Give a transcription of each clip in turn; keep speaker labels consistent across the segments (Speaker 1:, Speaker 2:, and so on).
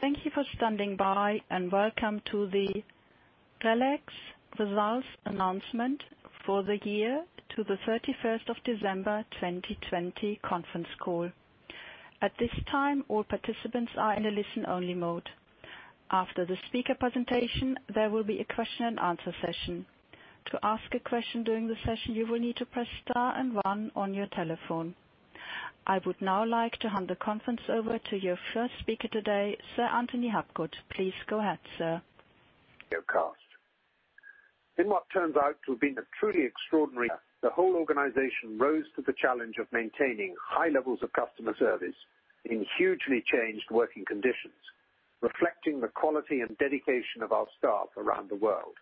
Speaker 1: Thank you for standing by, and welcome to the RELX Results Announcement for the Year to the 31st of December 2020 conference call. At this time, all participants are in a listen-only mode. After the speaker presentation, there will be a question-and-answer session. To ask a question during the session, you will need to press star and one on your telephone. I would now like to hand the conference over to your first speaker today, Sir Anthony Habgood. Please go ahead, sir.
Speaker 2: Your cast. In what turns out to have been a truly extraordinary year, the whole organization rose to the challenge of maintaining high levels of customer service in hugely changed working conditions, reflecting the quality and dedication of our staff around the world.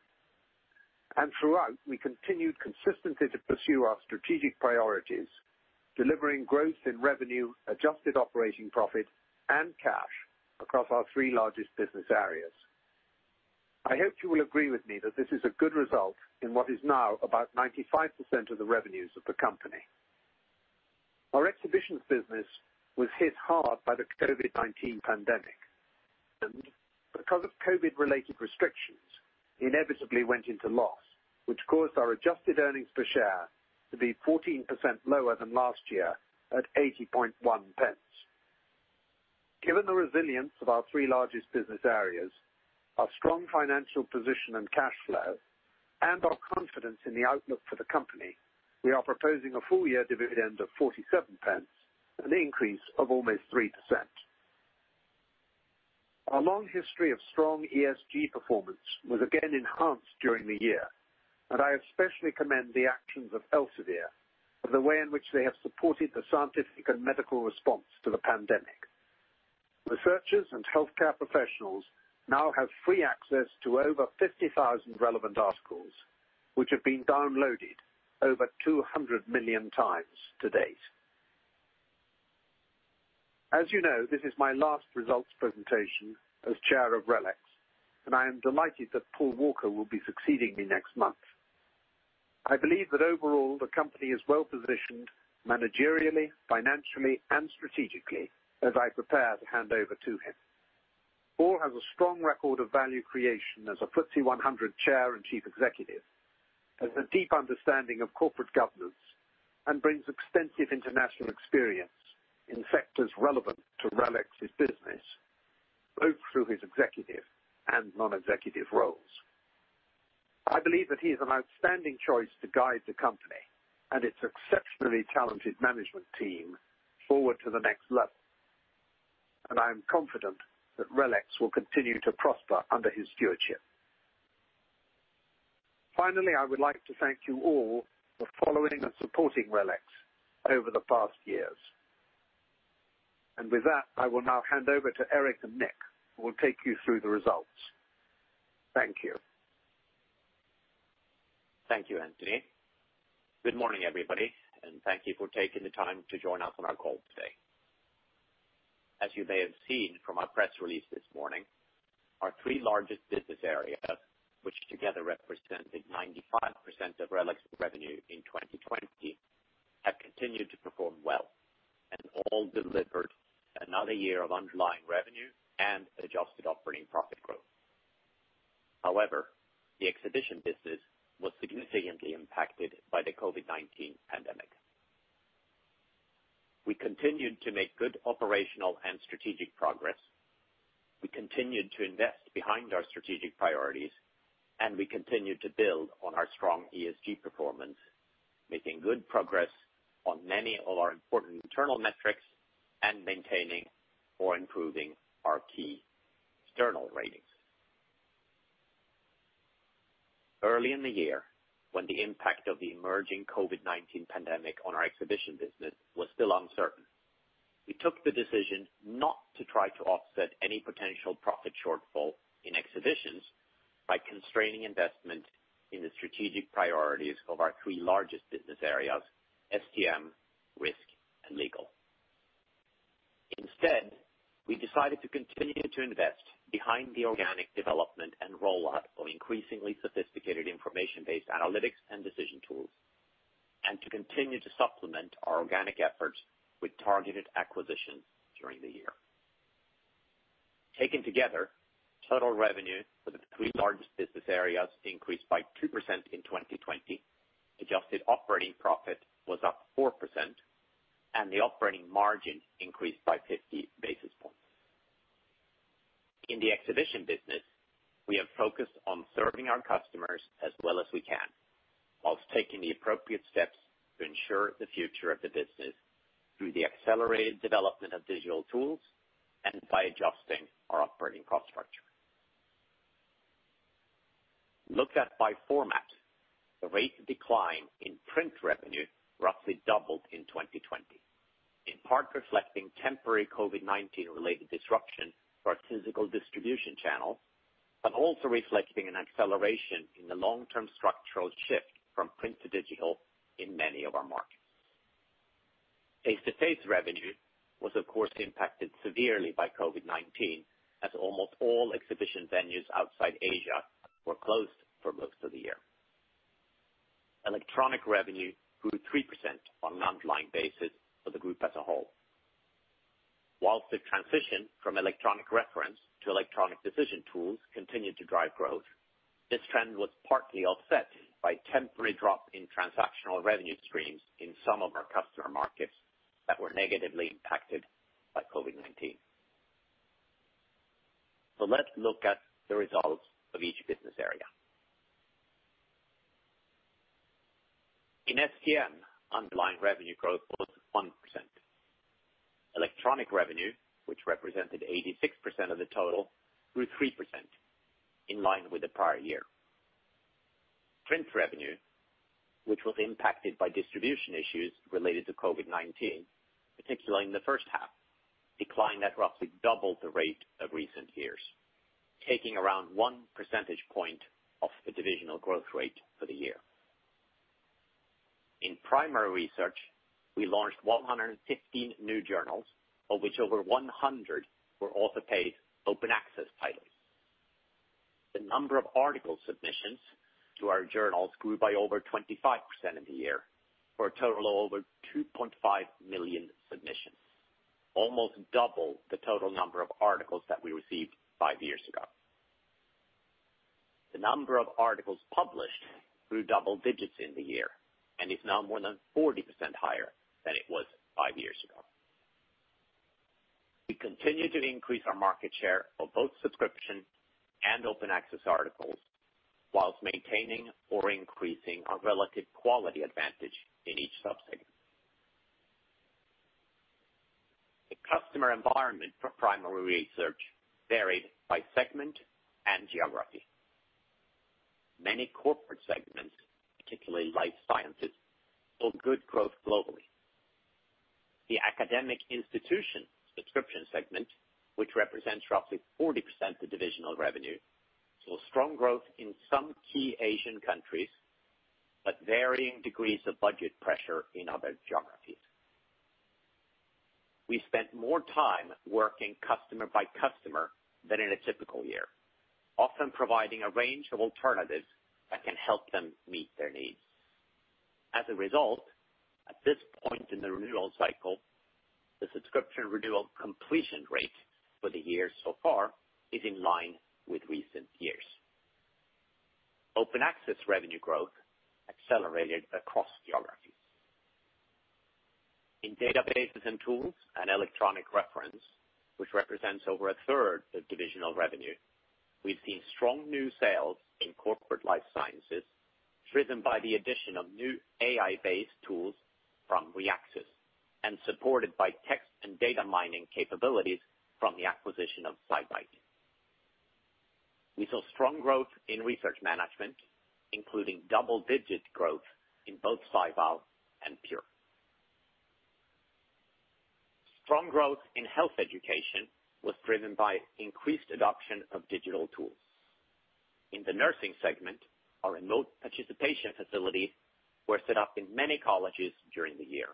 Speaker 2: Throughout, we continued consistently to pursue our strategic priorities, delivering growth in revenue, adjusted operating profit, and cash across our three largest business areas. I hope you will agree with me that this is a good result in what is now about 95% of the revenues of the company. Our exhibitions business was hit hard by the COVID-19 pandemic. Because of COVID-related restrictions, inevitably went into loss, which caused our adjusted earnings per share to be 14% lower than last year at 0.801. Given the resilience of our three largest business areas, our strong financial position and cash flow, and our confidence in the outlook for the company, we are proposing a full-year dividend of 0.47, an increase of almost 3%. Our long history of strong ESG performance was again enhanced during the year, and I especially commend the actions of Elsevier for the way in which they have supported the scientific and medical response to the pandemic. Researchers and healthcare professionals now have free access to over 50,000 relevant articles, which have been downloaded over 200 million times to date. As you know, this is my last results presentation as Chair of RELX, and I am delighted that Paul Walker will be succeeding me next month. I believe that overall, the company is well-positioned managerially, financially, and strategically as I prepare to hand over to him. Paul has a strong record of value creation as a FTSE 100 chair and chief executive, has a deep understanding of corporate governance, and brings extensive international experience in sectors relevant to RELX's business, both through his executive and non-executive roles. I believe that he is an outstanding choice to guide the company and its exceptionally talented management team forward to the next level, and I am confident that RELX will continue to prosper under his stewardship. Finally, I would like to thank you all for following and supporting RELX over the past years. With that, I will now hand over to Erik and Nick, who will take you through the results. Thank you.
Speaker 3: Thank you, Anthony. Good morning, everybody, and thank you for taking the time to join us on our call today. As you may have seen from our press release this morning, our three largest business areas, which together represented 95% of RELX revenue in 2020, have continued to perform well and all delivered another year of underlying revenue and adjusted operating profit growth. However, the exhibition business was significantly impacted by the COVID-19 pandemic. We continued to make good operational and strategic progress. We continued to invest behind our strategic priorities, and we continued to build on our strong ESG performance, making good progress on many of our important internal metrics and maintaining or improving our key external ratings. Early in the year, when the impact of the emerging COVID-19 pandemic on our exhibition business was still uncertain, we took the decision not to try to offset any potential profit shortfall in exhibitions by constraining investment in the strategic priorities of our three largest business areas: STM, Risk, and Legal. Instead, we decided to continue to invest behind the organic development and rollout of increasingly sophisticated information-based analytics and decision tools, and to continue to supplement our organic efforts with targeted acquisitions during the year. Taken together, total revenue for the three largest business areas increased by 2% in 2020, adjusted operating profit was up 4%, and the operating margin increased by 50 basis points. In the exhibition business, we have focused on serving our customers as well as we can whilst taking the appropriate steps to ensure the future of the business through the accelerated development of digital tools and by adjusting our operating cost structure. Looked at by format, the rate of decline in print revenue roughly doubled in 2020, in part reflecting temporary COVID-19 related disruption to our physical distribution channel, but also reflecting an acceleration in the long-term structural shift from print to digital in many of our markets. Face-to-face revenue was of course impacted severely by COVID-19, as almost all exhibition venues outside Asia were closed for most of the year. Electronic revenue grew 3% on an underlying basis for the group as a whole. Whilst the transition from electronic reference to electronic decision tools continued to drive growth, this trend was partly offset by a temporary drop in transactional revenue streams in some of our customer markets that were negatively impacted by COVID-19. Let's look at the results of each business area. In STM, underlying revenue growth was 1%. Electronic revenue, which represented 86% of the total, grew 3%, in line with the prior year. Print revenue, which was impacted by distribution issues related to COVID-19, particularly in the first half, declined at roughly double the rate of recent years, taking around one percentage point off the divisional growth rate for the year. In primary research, we launched 115 new journals, of which over 100 were author-paid Open Access titles. The number of article submissions to our journals grew by over 25% in the year for a total of over 2.5 million submissions, almost double the total number of articles that we received five years ago. The number of articles published grew double digits in the year, and is now more than 40% higher than it was five years ago. We continue to increase our market share of both subscription and Open Access articles while maintaining or increasing our relative quality advantage in each sub-segment. The customer environment for primary research varied by segment and geography. Many corporate segments, particularly life sciences, saw good growth globally. The academic institution subscription segment, which represents roughly 40% of divisional revenue, saw strong growth in some key Asian countries, but varying degrees of budget pressure in other geographies. We spent more time working customer by customer than in a typical year, often providing a range of alternatives that can help them meet their needs. As a result, at this point in the renewal cycle, the subscription renewal completion rate for the year so far is in line with recent years. Open Access revenue growth accelerated across geographies. In databases and tools and electronic reference, which represents over a third of divisional revenue, we've seen strong new sales in corporate life sciences, driven by the addition of new AI-based tools from Reaxys, and supported by text and data mining capabilities from the acquisition of SciBite. We saw strong growth in research management, including double-digit growth in both SciVal and Pure. Strong growth in health education was driven by increased adoption of digital tools. In the nursing segment, our remote participation facilities were set up in many colleges during the year.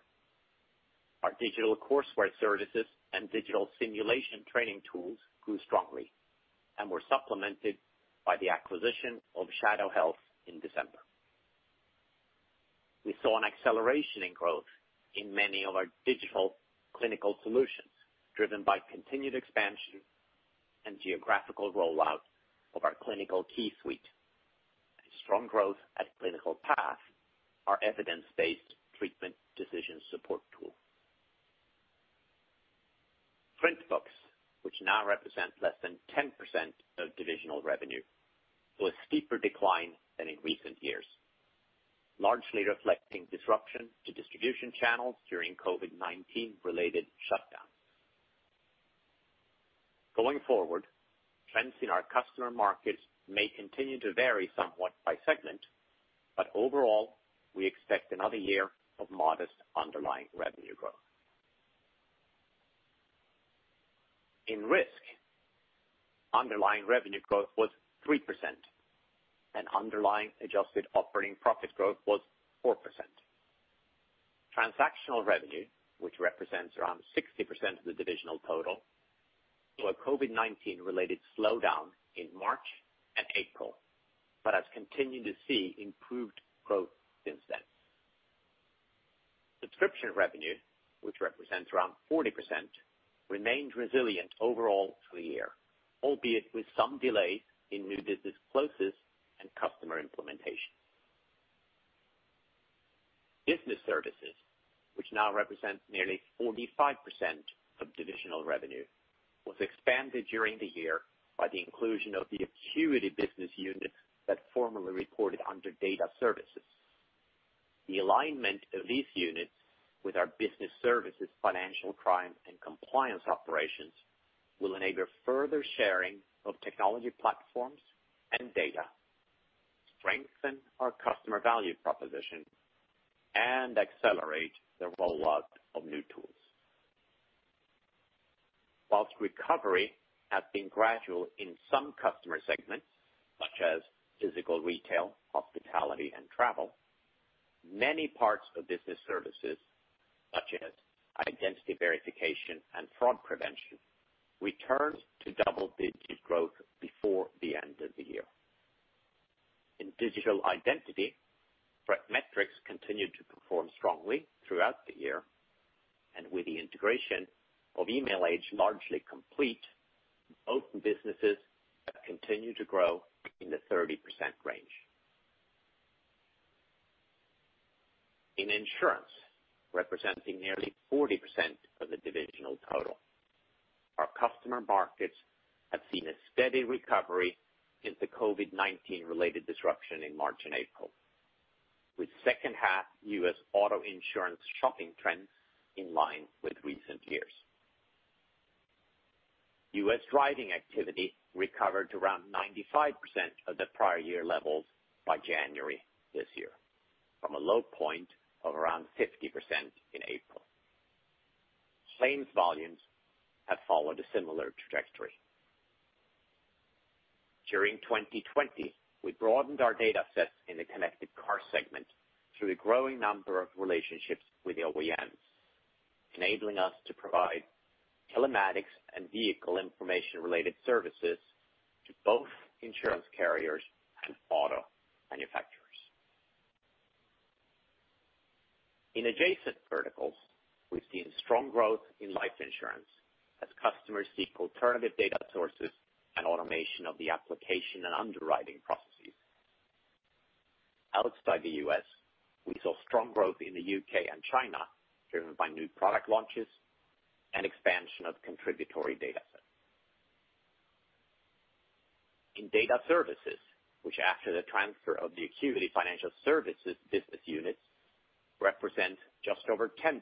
Speaker 3: Our digital courseware services and digital simulation training tools grew strongly and were supplemented by the acquisition of Shadow Health in December. We saw an acceleration in growth in many of our digital clinical solutions, driven by continued expansion and geographical rollout of our ClinicalKey suite and strong growth at ClinicalPath, our evidence-based treatment decision support tool. Print books, which now represent less than 10% of divisional revenue, saw a steeper decline than in recent years, largely reflecting disruption to distribution channels during COVID-19-related shutdowns. Going forward, trends in our customer markets may continue to vary somewhat by segment, but overall, we expect another year of modest underlying revenue growth. In Risk, underlying revenue growth was 3% and underlying adjusted operating profit growth was 4%. Transactional revenue, which represents around 60% of the divisional total, saw a COVID-19 related slowdown in March and April, but has continued to see improved growth since then. Subscription revenue, which represents around 40%, remained resilient overall through the year, albeit with some delays in new business closes and customer implementations. Business Services, which now represents nearly 45% of divisional revenue, was expanded during the year by the inclusion of the Accuity business unit that formerly reported under Data Services. The alignment of this unit with our Business Services financial crime and compliance operations will enable further sharing of technology platforms and data, strengthen our customer value proposition, and accelerate the rollout of new tools. Whilst recovery has been gradual in some customer segments such as physical retail, hospitality, and travel, many parts of Business Services such as identity verification and fraud prevention returned to double-digit growth before the end of the year. In digital identity, ThreatMetrix continued to perform strongly throughout the year, and with the integration of Emailage largely complete, both businesses have continued to grow in the 30% range. In insurance, representing nearly 40% of the divisional total, our customer markets have seen a steady recovery since the COVID-19 related disruption in March and April. With second half U.S. auto insurance shopping trends in line with recent years. U.S. driving activity recovered to around 95% of the prior year levels by January this year, from a low point of around 50% in April. Claims volumes have followed a similar trajectory. During 2020, we broadened our data sets in the connected car segment through a growing number of relationships with OEMs, enabling us to provide telematics and vehicle information related services to both insurance carriers and auto manufacturers. In adjacent verticals, we've seen strong growth in life insurance as customers seek alternative data sources and automation of the application and underwriting processes. Outside the U.S., we saw strong growth in the U.K. and China, driven by new product launches and expansion of contributory data sets. In data services, which after the transfer of the Accuity Financial Services business units, represent just over 10%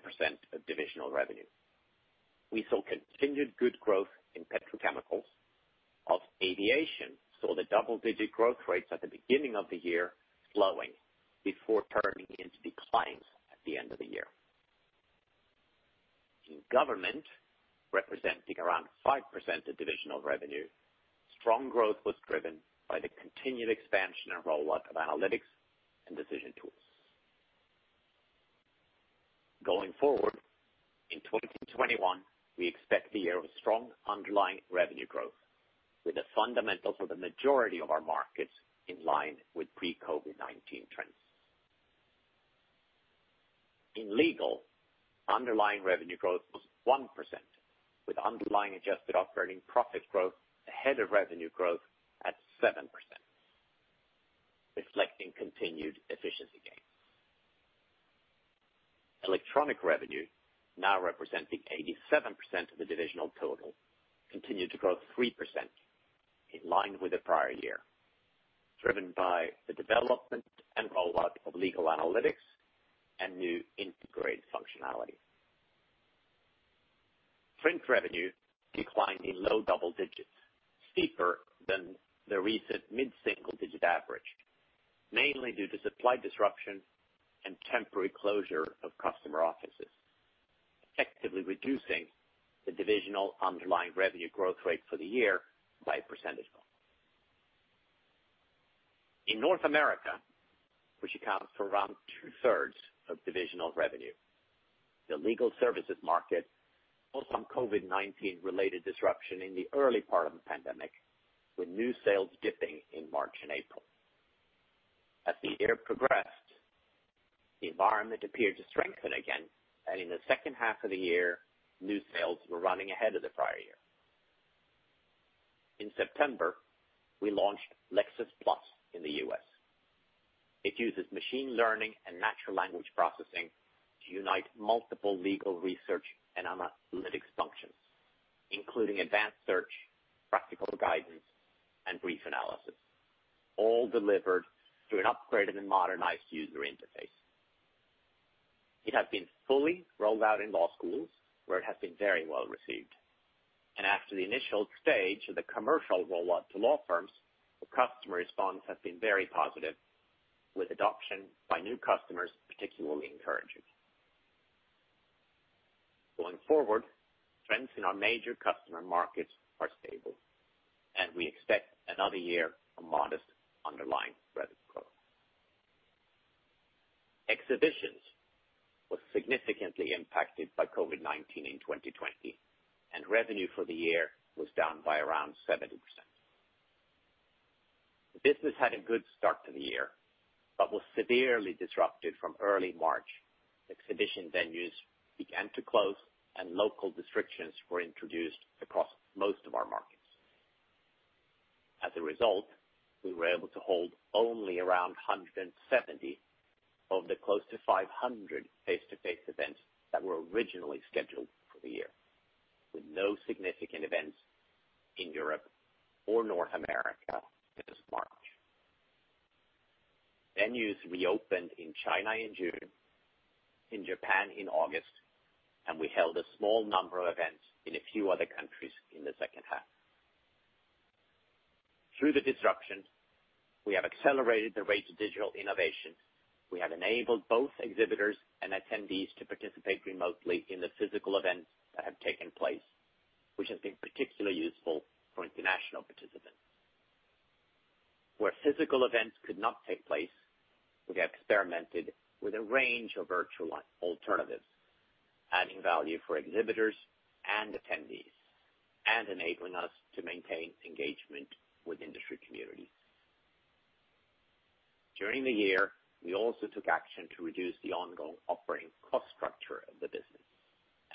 Speaker 3: of divisional revenue. We saw continued good growth in petrochemicals while aviation saw the double-digit growth rates at the beginning of the year slowing before turning into declines at the end of the year. In government, representing around 5% of divisional revenue, strong growth was driven by the continued expansion and rollout of analytics and decision tools. Going forward, in 2021, we expect a year of strong underlying revenue growth with the fundamentals for the majority of our markets in line with pre-COVID-19 trends. In legal, underlying revenue growth was 1%, with underlying adjusted operating profit growth ahead of revenue growth at 7%, reflecting continued efficiency gains. Electronic revenue, now representing 87% of the divisional total, continued to grow 3% in line with the prior year, driven by the development and rollout of legal analytics and new integrated functionality. Print revenue declined in low double digits, steeper than the recent mid-single digit average, mainly due to supply disruption and temporary closure of customer offices, effectively reducing the divisional underlying revenue growth rate for the year by a percentage point. In North America, which accounts for around two-thirds of divisional revenue, the legal services market saw some COVID-19 related disruption in the early part of the pandemic, with new sales dipping in March and April. As the year progressed, the environment appeared to strengthen again, in the second half of the year, new sales were running ahead of the prior year. In September, we launched Lexis+ in the U.S. It uses machine learning and natural language processing to unite multiple legal research and analytics functions, including advanced search, practical guidance, and brief analysis, all delivered through an upgraded and modernized user interface. It has been fully rolled out in law schools, where it has been very well received. After the initial stage of the commercial rollout to law firms, the customer response has been very positive, with adoption by new customers particularly encouraging. Going forward, trends in our major customer markets are stable, and we expect another year of modest underlying revenue growth. Exhibitions was significantly impacted by COVID-19 in 2020, and revenue for the year was down by around 70%. The business had a good start to the year, but was severely disrupted from early March. Exhibition venues began to close, and local restrictions were introduced across most of our markets. As a result, we were able to hold only around 170 of the close to 500 face-to-face events that were originally scheduled for the year, with no significant events in Europe or North America this March. Venues reopened in China in June, in Japan in August, and we held a small number of events in a few other countries in the second half. Through the disruption, we have accelerated the rate of digital innovation. We have enabled both exhibitors and attendees to participate remotely in the physical events that have taken place, which has been particularly useful for international participants. Where physical events could not take place, we experimented with a range of virtual alternatives, adding value for exhibitors and attendees, and enabling us to maintain engagement with industry communities. During the year, we also took action to reduce the ongoing operating cost structure of the business,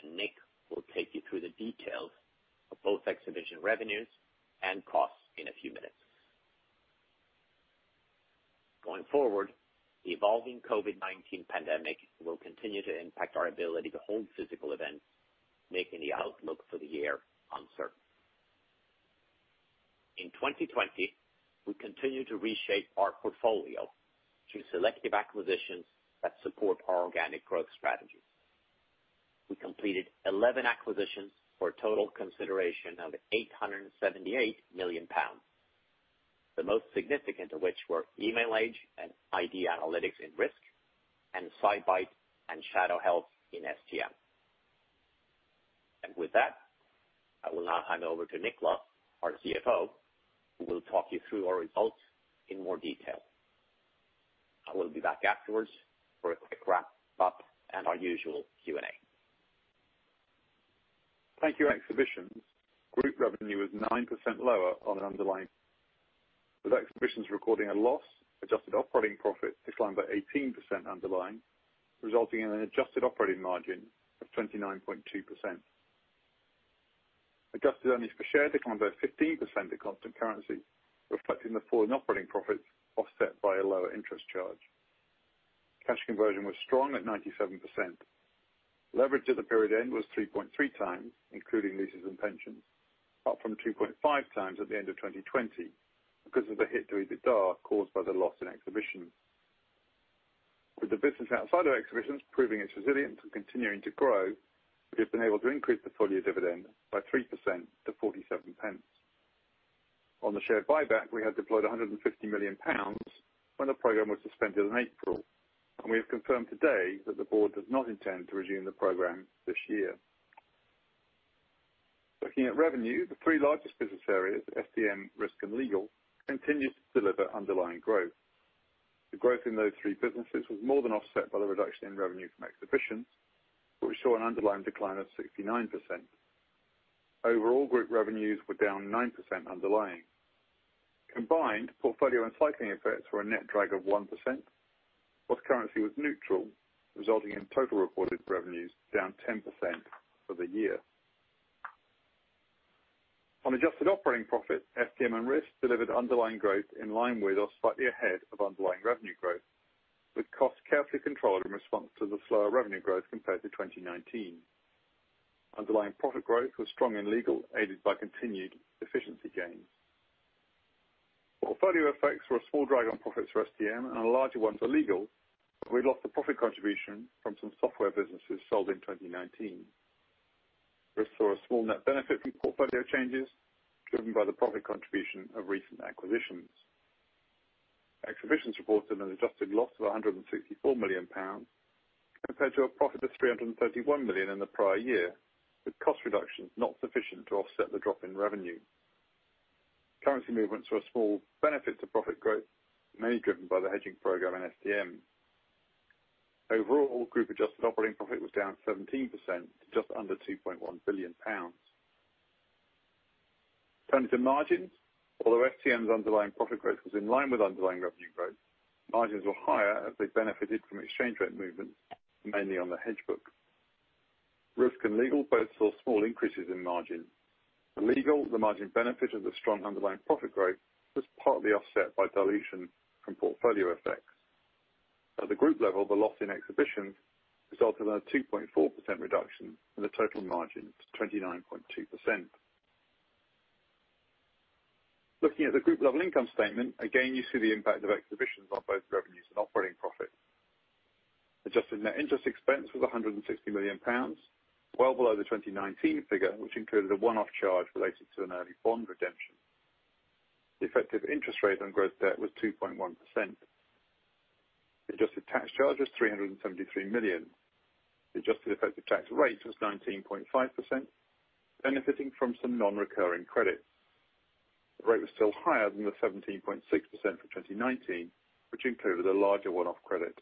Speaker 3: and Nick will take you through the details of both exhibition revenues and costs in a few minutes. Going forward, the evolving COVID-19 pandemic will continue to impact our ability to hold physical events, making the outlook for the year uncertain. In 2020, we continued to reshape our portfolio through selective acquisitions that support our organic growth strategy. We completed 11 acquisitions for a total consideration of 878 million pounds. The most significant of which were Emailage and ID Analytics in Risk, and SciBite and Shadow Health in STM. With that, I will now hand over to Nick Luff, our CFO, who will talk you through our results in more detail. I will be back afterwards for a quick wrap-up and our usual Q&A.
Speaker 4: Thank you. Exhibitions group revenue was 9% lower. With Exhibitions recording a loss, adjusted operating profit declined by 18% underlying, resulting in an adjusted operating margin of 29.2%. Adjusted earnings per share declined by 15% at constant currency, reflecting the fall in operating profits offset by a lower interest charge. Cash conversion was strong at 97%. Leverage at the period end was 3.3x including leases and pensions, up from 2.5x at the end of 2020 because of the hit to EBITDA caused by the loss in Exhibitions. With the business outside of Exhibitions proving its resilience and continuing to grow, we have been able to increase the full-year dividend by 3% to 0.47. On the share buyback, we have deployed 150 million pounds when the program was suspended in April, and we have confirmed today that the board does not intend to resume the program this year. Looking at revenue, the three largest business areas, STM, Risk, and Legal, continued to deliver underlying growth. The growth in those three businesses was more than offset by the reduction in revenue from Exhibitions, where we saw an underlying decline of 69%. Overall, group revenues were down 9% underlying. Combined portfolio and cycling effects were a net drag of 1%, whilst currency was neutral, resulting in total reported revenues down 10% for the year. On adjusted operating profit, STM and Risk delivered underlying growth in line with or slightly ahead of underlying revenue growth, with costs carefully controlled in response to the slower revenue growth compared to 2019. Underlying profit growth was strong in Legal, aided by continued efficiency gains. Portfolio effects were a small drag on profits for STM and a larger one for Legal, but we lost the profit contribution from some software businesses sold in 2019. Risk saw a small net benefit from portfolio changes driven by the profit contribution of recent acquisitions. Exhibitions reported an adjusted loss of 164 million pounds compared to a profit of 331 million in the prior year, with cost reductions not sufficient to offset the drop in revenue. Currency movements were a small benefit to profit growth, mainly driven by the hedging program in STM. Overall, group adjusted operating profit was down 17% to just under 2.1 billion pounds. Turning to margins, although STM's underlying profit growth was in line with underlying revenue growth, margins were higher as they benefited from exchange rate movements, mainly on the hedge book. Risk and Legal both saw small increases in margin. In Legal, the margin benefit of the strong underlying profit growth was partly offset by dilution from portfolio effects. At the group level, the loss in Exhibitions resulted in a 2.4% reduction in the total margin to 29.2%. Looking at the group level income statement, again, you see the impact of Exhibitions on both revenues and operating profits. Adjusted net interest expense was 160 million pounds, well below the 2019 figure, which included a one-off charge related to an early bond redemption. The effective interest rate on gross debt was 2.1%. Adjusted tax charge was 373 million. The adjusted effective tax rate was 19.5%, benefiting from some non-recurring credits. The rate was still higher than the 17.6% for 2019, which included a larger one-off credit.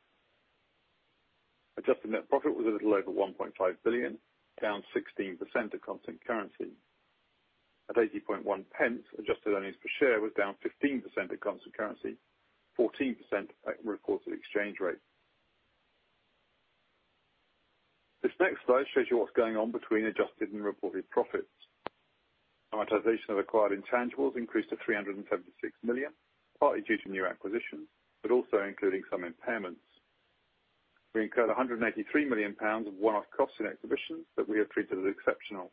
Speaker 4: Adjusted net profit was a little over 1.5 billion, down 16% at constant currency. At 0.801, adjusted earnings per share was down 15% at constant currency, 14% at reported exchange rate. This next slide shows you what's going on between adjusted and reported profits. Amortization of acquired intangibles increased to 376 million, partly due to new acquisitions, but also including some impairments. We incurred 183 million pounds of one-off costs in Exhibitions that we have treated as exceptional.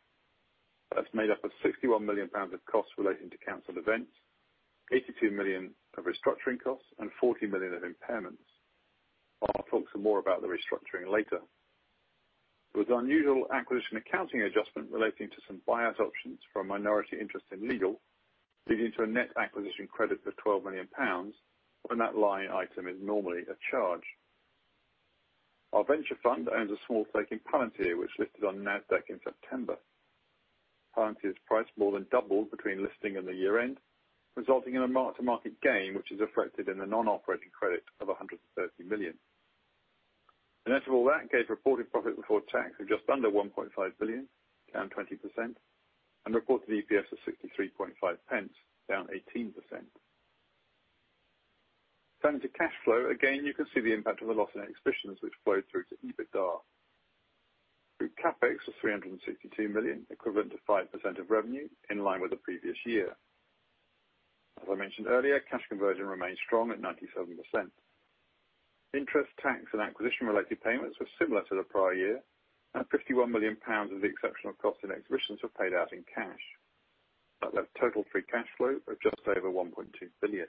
Speaker 4: That's made up of 61 million pounds of costs relating to canceled events, 82 million of restructuring costs, and 40 million of impairments. I'll talk some more about the restructuring later. There was unusual acquisition accounting adjustment relating to some buyout options for a minority interest in Legal, leading to a net acquisition credit of 12 million pounds when that line item is normally a charge. Our venture fund owns a small stake in Palantir, which listed on NASDAQ in September. Palantir's price more than doubled between listing and the year-end, resulting in a mark-to-market gain, which is reflected in the non-operating credit of 130 million. The net of all that gave reported profit before tax of just under 1.5 billion, down 20%, and reported EPS of 0.635, down 18%. Turning to cash flow, again, you can see the impact of the loss in Exhibitions which flowed through to EBITDA. Group CapEx of 362 million, equivalent to 5% of revenue, in line with the previous year. As I mentioned earlier, cash conversion remains strong at 97%. Interest, tax, and acquisition-related payments were similar to the prior year, and 51 million pounds of the exceptional cost in Exhibitions were paid out in cash. That left total free cash flow of just over 1.2 billion.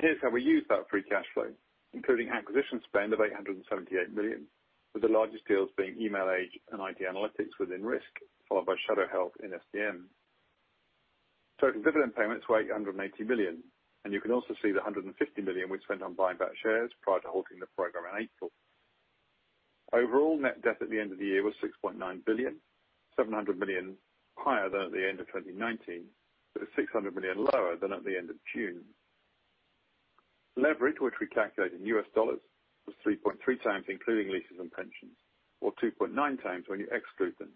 Speaker 4: Here's how we use that free cash flow, including acquisition spend of 878 million, with the largest deals being Emailage and ID Analytics within Risk, followed by Shadow Health in STM. Total dividend payments were 880 million, and you can also see the 150 million we spent on buying back shares prior to halting the program in April. Overall, net debt at the end of the year was 6.9 billion, 700 million higher than at the end of 2019, but 600 million lower than at the end of June. Leverage, which we calculate in US dollars, was 3.3x including leases and pensions, or 2.9x when you exclude them.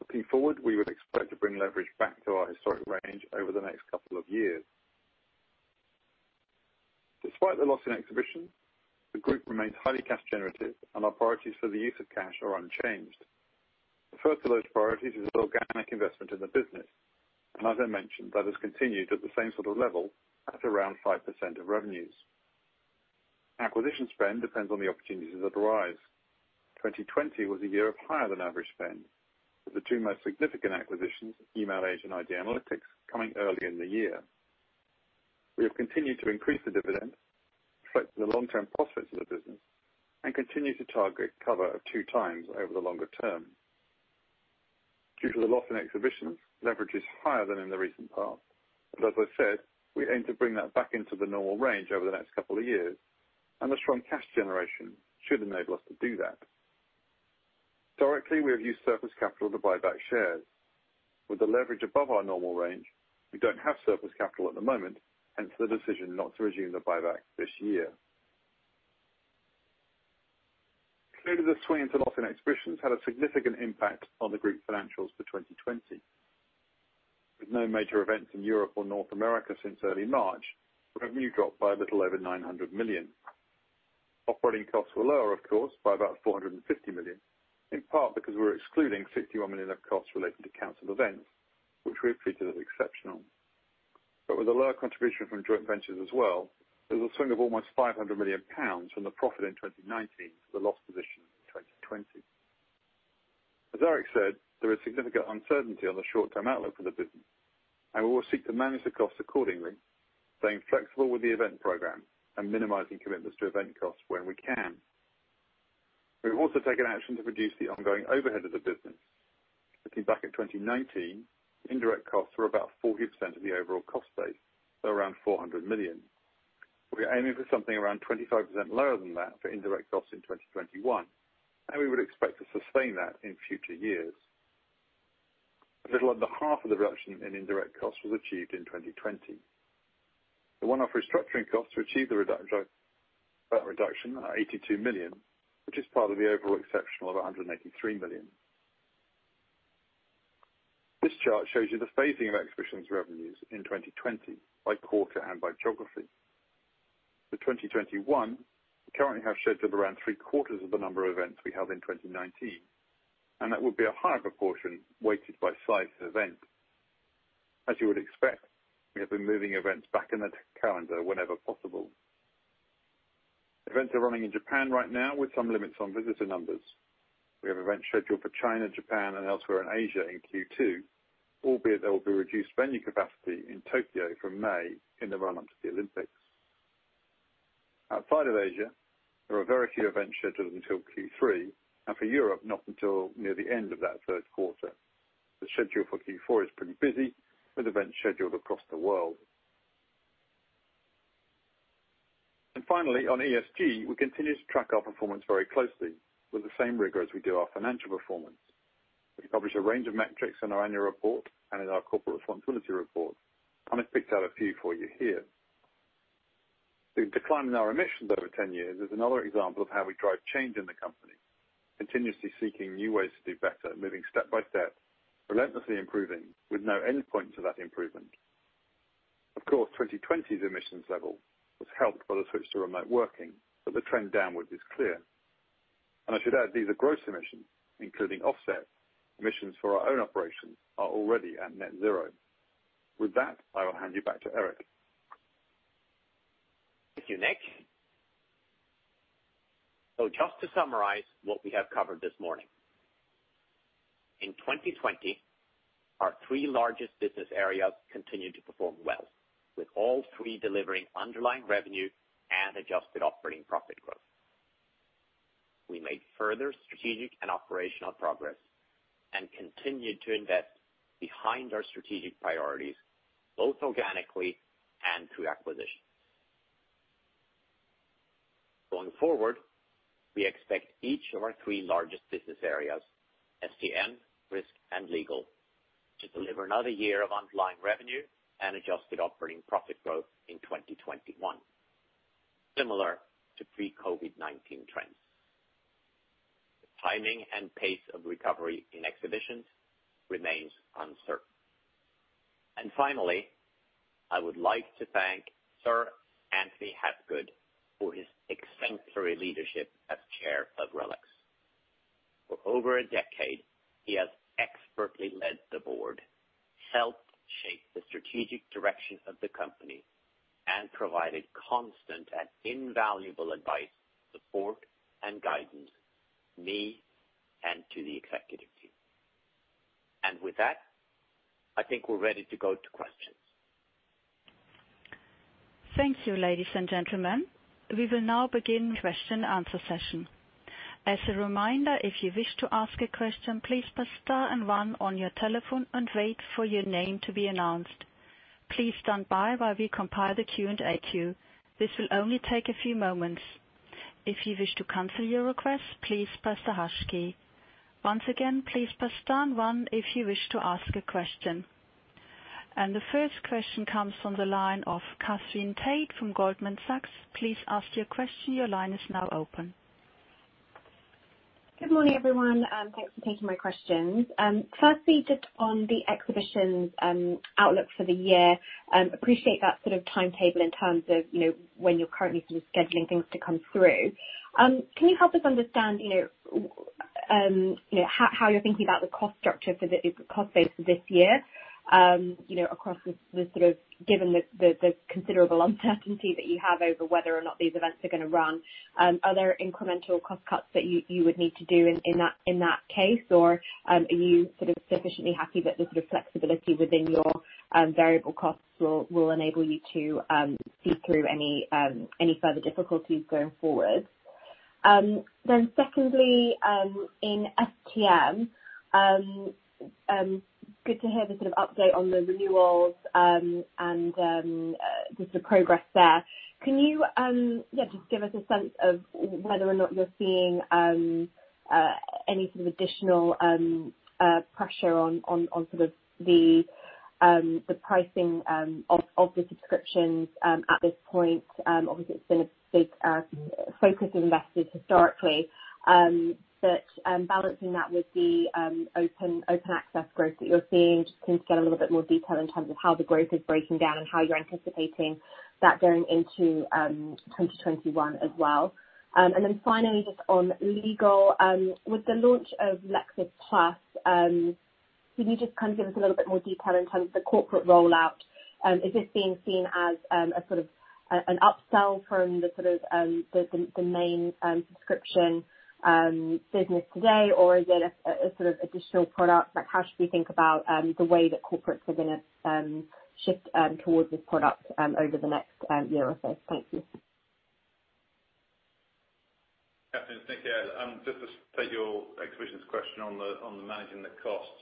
Speaker 4: Looking forward, we would expect to bring leverage back to our historic range over the next couple of years. Despite the loss in Exhibitions, the group remains highly cash generative, and our priorities for the use of cash are unchanged. The first of those priorities is organic investment in the business. As I mentioned, that has continued at the same sort of level at around 5% of revenues. Acquisition spend depends on the opportunities that arise. 2020 was a year of higher than average spend, with the two most significant acquisitions, Emailage and ID Analytics, coming early in the year. We have continued to increase the dividend, reflect the long-term profits of the business, and continue to target cover of 2x over the longer term. Due to the loss in Exhibitions, leverage is higher than in the recent past. As I said, we aim to bring that back into the normal range over the next couple of years. The strong cash generation should enable us to do that. Directly, we have used surplus capital to buy back shares. With the leverage above our normal range, we don't have surplus capital at the moment, hence the decision not to resume the buyback this year. Clearly, the swing to loss in Exhibitions had a significant impact on the group financials for 2020. With no major events in Europe or North America since early March, revenue dropped by a little over 900 million. Operating costs were lower, of course, by about 450 million, in part because we're excluding 61 million of costs related to canceled events, which we have treated as exceptional. With a lower contribution from joint ventures as well, there was a swing of almost 500 million pounds from the profit in 2019 to the loss position in 2020. As Erik said, there is significant uncertainty on the short-term outlook for the business, and we will seek to manage the costs accordingly, staying flexible with the event program and minimizing commitments to event costs where we can. We have also taken action to reduce the ongoing overhead of the business. Looking back at 2019, indirect costs were about 40% of the overall cost base, so around 400 million. We are aiming for something around 25% lower than that for indirect costs in 2021, and we would expect to sustain that in future years. A little under half of the reduction in indirect costs was achieved in 2020. The one-off restructuring costs to achieve the reduction are 82 million, which is part of the overall exceptional of 183 million. This chart shows you the phasing of Exhibitions revenues in 2020 by quarter and by geography. For 2021, we currently have scheduled around three-quarters of the number of events we held in 2019, and that would be a higher proportion weighted by size of event. As you would expect, we have been moving events back in the calendar whenever possible. Events are running in Japan right now with some limits on visitor numbers. We have events scheduled for China, Japan, and elsewhere in Asia in Q2, albeit there will be reduced venue capacity in Tokyo from May in the run-up to the Olympics. Outside of Asia, there are very few events scheduled until Q3, and for Europe, not until near the end of that third quarter. The schedule for Q4 is pretty busy with events scheduled across the world. Finally, on ESG, we continue to track our performance very closely with the same rigor as we do our financial performance. We publish a range of metrics in our annual report and in our corporate responsibility report. I've picked out a few for you here. The decline in our emissions over 10 years is another example of how we drive change in the company, continuously seeking new ways to do better and moving step by step, relentlessly improving with no end point to that improvement. Of course, 2020's emissions level was helped by the switch to remote working, the trend downward is clear. I should add, these are gross emissions, including offset. Emissions for our own operations are already at net zero. With that, I will hand you back to Erik.
Speaker 3: Thank you, Nick. Just to summarize what we have covered this morning. In 2020, our three largest business areas continued to perform well, with all three delivering underlying revenue and adjusted operating profit growth. We made further strategic and operational progress and continued to invest behind our strategic priorities, both organically and through acquisition. Going forward, we expect each of our three largest business areas, STM, Risk, and Legal, to deliver another year of underlying revenue and adjusted operating profit growth in 2021. Similar to pre-COVID-19 trends. The timing and pace of recovery in Exhibitions remains uncertain. Finally, I would like to thank Sir Anthony Habgood for his exemplary leadership as Chair of RELX. For over a decade, he has expertly led the board, helped shape the strategic direction of the company, and provided constant and invaluable advice, support, and guidance to me and to the executive team. With that, I think we're ready to go to questions.
Speaker 1: Thank you, ladies and gentlemen. We will now begin the question-and-answer session. As a reminder, if you wish to ask a question, please press star one on your telephone and wait for your name to be announced. Please stand by while we compile the Q&A queue. This will only take a few moments. If you wish to cancel your request, please press the hash key. Once again, please press star one if you wish to ask a question. The first question comes from the line of Katherine Tait from Goldman Sachs. Please ask your question. Your line is now open.
Speaker 5: Good morning, everyone. Thanks for taking my questions. Firstly, just on the Exhibitions outlook for the year. Appreciate that sort of timetable in terms of when you're currently sort of scheduling things to come through. Can you help us understand how you're thinking about the cost structure for the cost base for this year across the sort of given the considerable uncertainty that you have over whether or not these events are going to run? Are there incremental cost cuts that you would need to do in that case? Are you sufficiently happy that the sort of flexibility within your variable costs will enable you to see through any further difficulties going forward? Secondly, in STM. Good to hear the sort of update on the renewals, and the progress there. Can you, yeah, just give us a sense of whether or not you're seeing any sort of additional pressure on the pricing of the subscriptions at this point? Obviously, it's been a big focus of investors historically. Balancing that with the Open Access growth that you're seeing, just keen to get a little bit more detail in terms of how the growth is breaking down and how you're anticipating that going into 2021 as well. Then finally, just on Legal, with the launch of Lexis+, can you just kind of give us a little bit more detail in terms of the corporate rollout? Is this being seen as a sort of an upsell from the main subscription business today or is it a sort of additional product? How should we think about the way that corporates are going to shift towards this product over the next year or so? Thank you.
Speaker 4: Katherine, thank you. Just to take your Exhibitions question on managing the costs.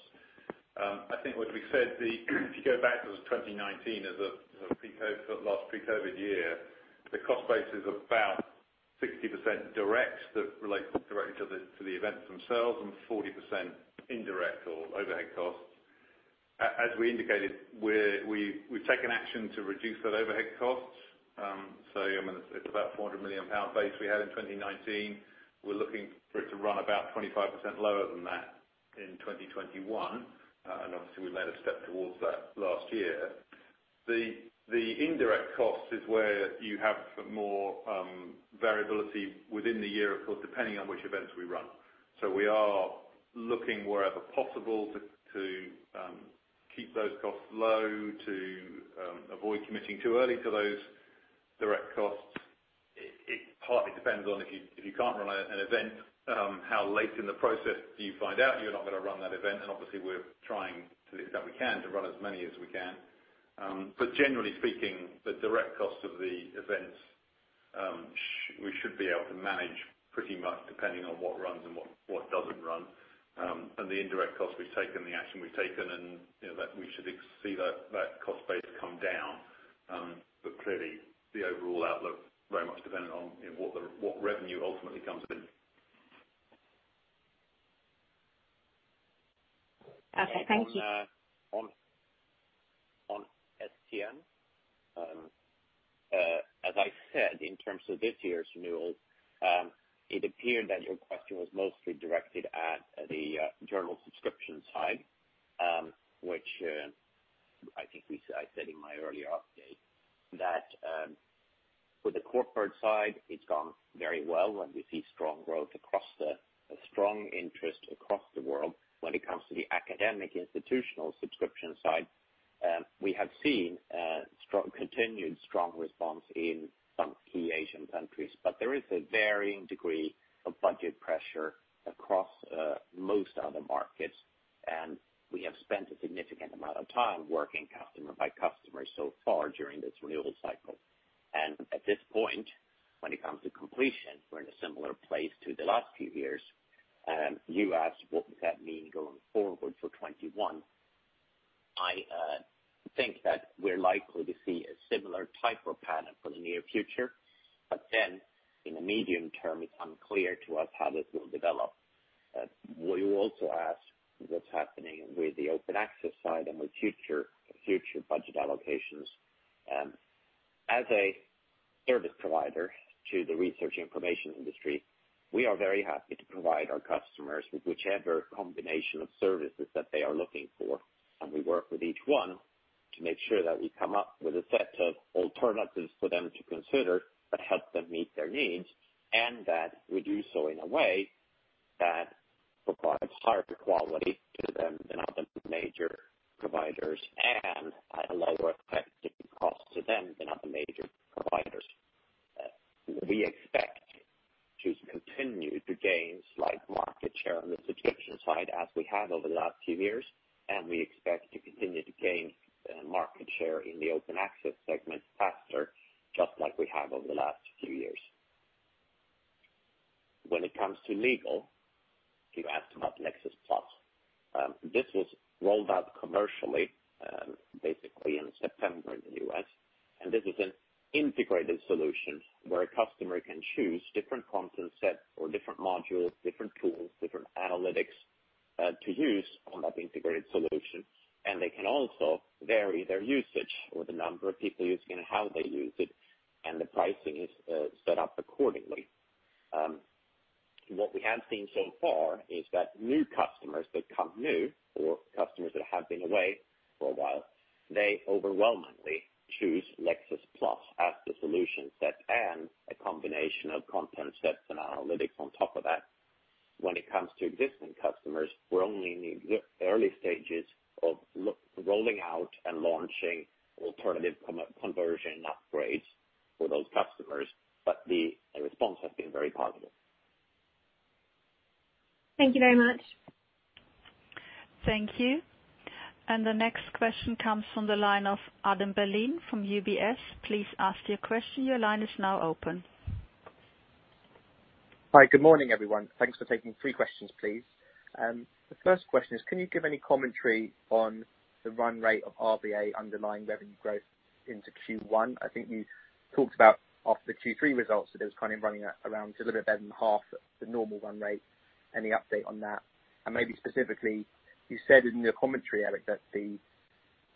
Speaker 4: I think what we said, if you go back to 2019 as the last pre-COVID year, the cost base is about 60% direct that relates directly to the events themselves and 40% indirect or overhead costs. As we indicated, we've taken action to reduce that overhead cost. It's about 400 million pound base we had in 2019. We're looking for it to run about 25% lower than that in 2021. Obviously, we made a step towards that last year. The indirect cost is where you have more variability within the year, of course, depending on which events we run. We are looking wherever possible to keep those costs low, to avoid committing too early to those direct costs. It partly depends on if you can't run an event, how late in the process do you find out you're not going to run that event? Obviously, we're trying that we can to run as many as we can. Generally speaking, the direct cost of the events, we should be able to manage pretty much depending on what runs and what doesn't run. The indirect cost we've taken, the action we've taken, and we should see that cost base come down. Clearly, the overall outlook very much dependent on what revenue ultimately comes in.
Speaker 5: Okay. Thank you.
Speaker 3: On STM, as I said, in terms of this year's renewals, it appeared that your question was mostly directed at the journal subscription side, which I think I said in my earlier update that with the corporate side, it's gone very well, and we see a strong interest across the world. When it comes to the academic institutional subscription side, we have seen continued strong response in some key Asian countries. There is a varying degree of budget pressure across most other markets, and we have spent a significant amount of time working customer by customer so far during this renewal cycle. At this point, when it comes to completion, we're in a similar place to the last few years. You asked what does that mean going forward for 2021. I think that we're likely to see a similar type of pattern for the near future, but then in the medium term, it's unclear to us how this will develop. You also asked what's happening with the Open Access side and with future budget allocations. As a service provider to the research information industry, we are very happy to provide our customers with whichever combination of services that they are looking for, and we work with each one to make sure that we come up with a set of alternatives for them to consider that help them meet their needs, and that we do so in a way that provides higher quality to them than other major providers, and at a lower effective cost to them than other major providers. We expect to continue to gain slight market share on the subscription side as we have over the last few years, and we expect to continue to gain market share in the Open Access segment faster, just like we have over the last few years. When it comes to legal, you asked about Lexis+. This was rolled out commercially basically in September in the U.S., and this is an integrated solution where a customer can choose different content sets or different modules, different tools, different analytics to use on that integrated solution. And they can also vary their usage or the number of people using and how they use it, and the pricing is set up accordingly. What we have seen so far is that new customers that come new or customers that have been away for a while, they overwhelmingly choose Lexis+ as the solution set and a combination of content sets and analytics on top of that. When it comes to existing customers, we are only in the early stages of rolling out and launching alternative conversion upgrades for those customers, but the response has been very positive.
Speaker 5: Thank you very much.
Speaker 1: Thank you. The next question comes from the line of Adam Berlin from UBS. Please ask your question. Your line is now open.
Speaker 6: Hi, good morning, everyone. Thanks for taking three questions, please. The first question is, can you give any commentary on the run rate of RBA underlying revenue growth into Q1? I think you talked about after the Q3 results that it was kind of running at around a little bit better than half the normal run rate. Any update on that? Maybe specifically, you said in your commentary, Erik, that the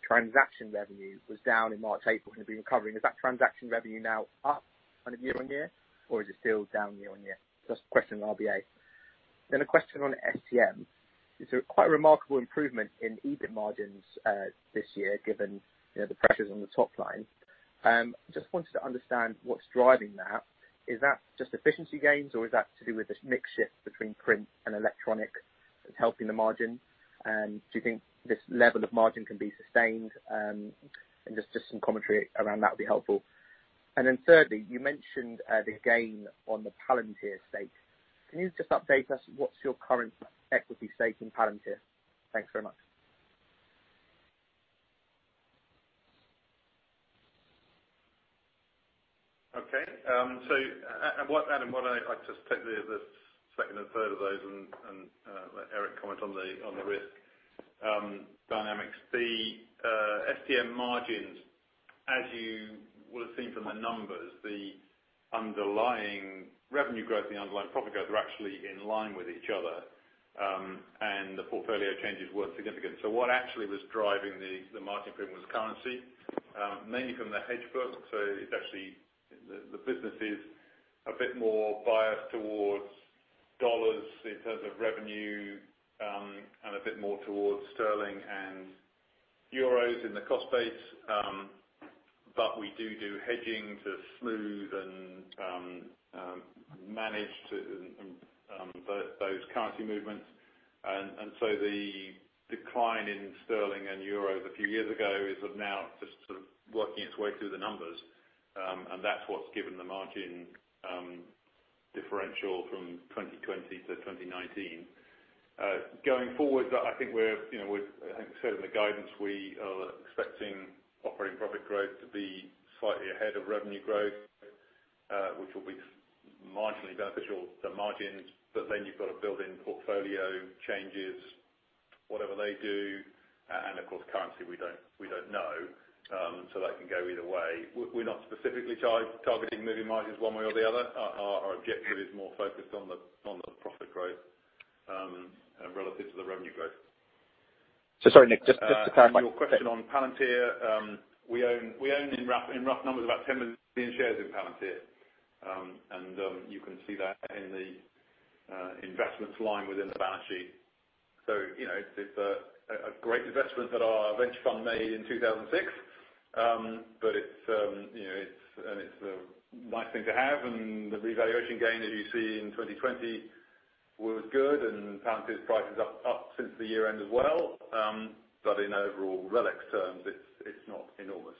Speaker 6: transaction revenue was down in March, April, and have been recovering. Is that transaction revenue now up kind of year-on-year, or is it still down year-on-year? First question on RBA. A question on STM. It's a quite remarkable improvement in EBIT margins this year, given the pressures on the top line. Just wanted to understand what's driving that. Is that just efficiency gains, or is that to do with this mix shift between print and electronic that's helping the margin? Do you think this level of margin can be sustained? Just some commentary around that would be helpful. Thirdly, you mentioned the gain on the Palantir stake. Can you just update us what's your current equity stake in Palantir? Thanks very much.
Speaker 4: Okay. Adam, I'll just take the second and third of those and let Erik comment on the risk dynamics. The STM margins, as you would have seen from the numbers, the underlying revenue growth and the underlying profit growth are actually in line with each other, and the portfolio changes weren't significant. What actually was driving the margin improvement was currency, mainly from the hedge book. It's actually the business is a bit more biased towards dollars in terms of revenue, and a bit more towards GBP and EUR in the cost base. We do hedging to smooth and manage those currency movements. The decline in GBP and EUR a few years ago is now just sort of working its way through the numbers. That's what's given the margin differential from 2020 to 2019. Going forward, I think we've said in the guidance we are expecting operating profit growth to be slightly ahead of revenue growth, which will be marginally beneficial to margins. You've got to build in portfolio changes, whatever they do. Of course, currency, we don't know. That can go either way. We're not specifically targeting moving margins one way or the other. Our objective is more focused on the profit growth relative to the revenue growth.
Speaker 6: Sorry, Nick.
Speaker 4: Your question on Palantir. We own, in rough numbers, about 10 million shares in Palantir, and you can see that in the investments line within the balance sheet. It's a great investment that our venture fund made in 2006. It's a nice thing to have, and the revaluation gain that you see in 2020 was good, and Palantir's price is up since the year end as well. In overall RELX terms, it's not enormous.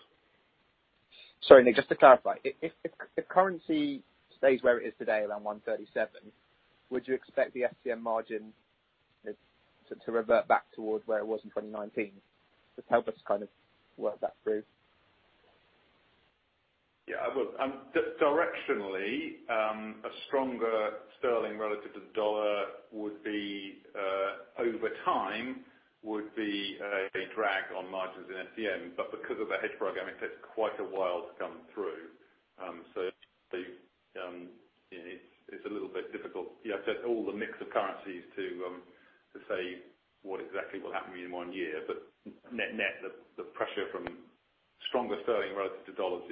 Speaker 6: Sorry, Nick, just to clarify, if the currency stays where it is today, around 137, would you expect the STM margin to revert back toward where it was in 2019? Just help us kind of work that through.
Speaker 4: Yeah, I would. Directionally, a stronger Sterling relative to the Dollar would be, over time, would be a drag on margins in STM. Because of the hedge program, it takes quite a while to come through. It's a little bit difficult. You have to have all the mix of currencies to say what exactly will happen in one year. Net-net, the pressure from stronger Sterling relative to Dollars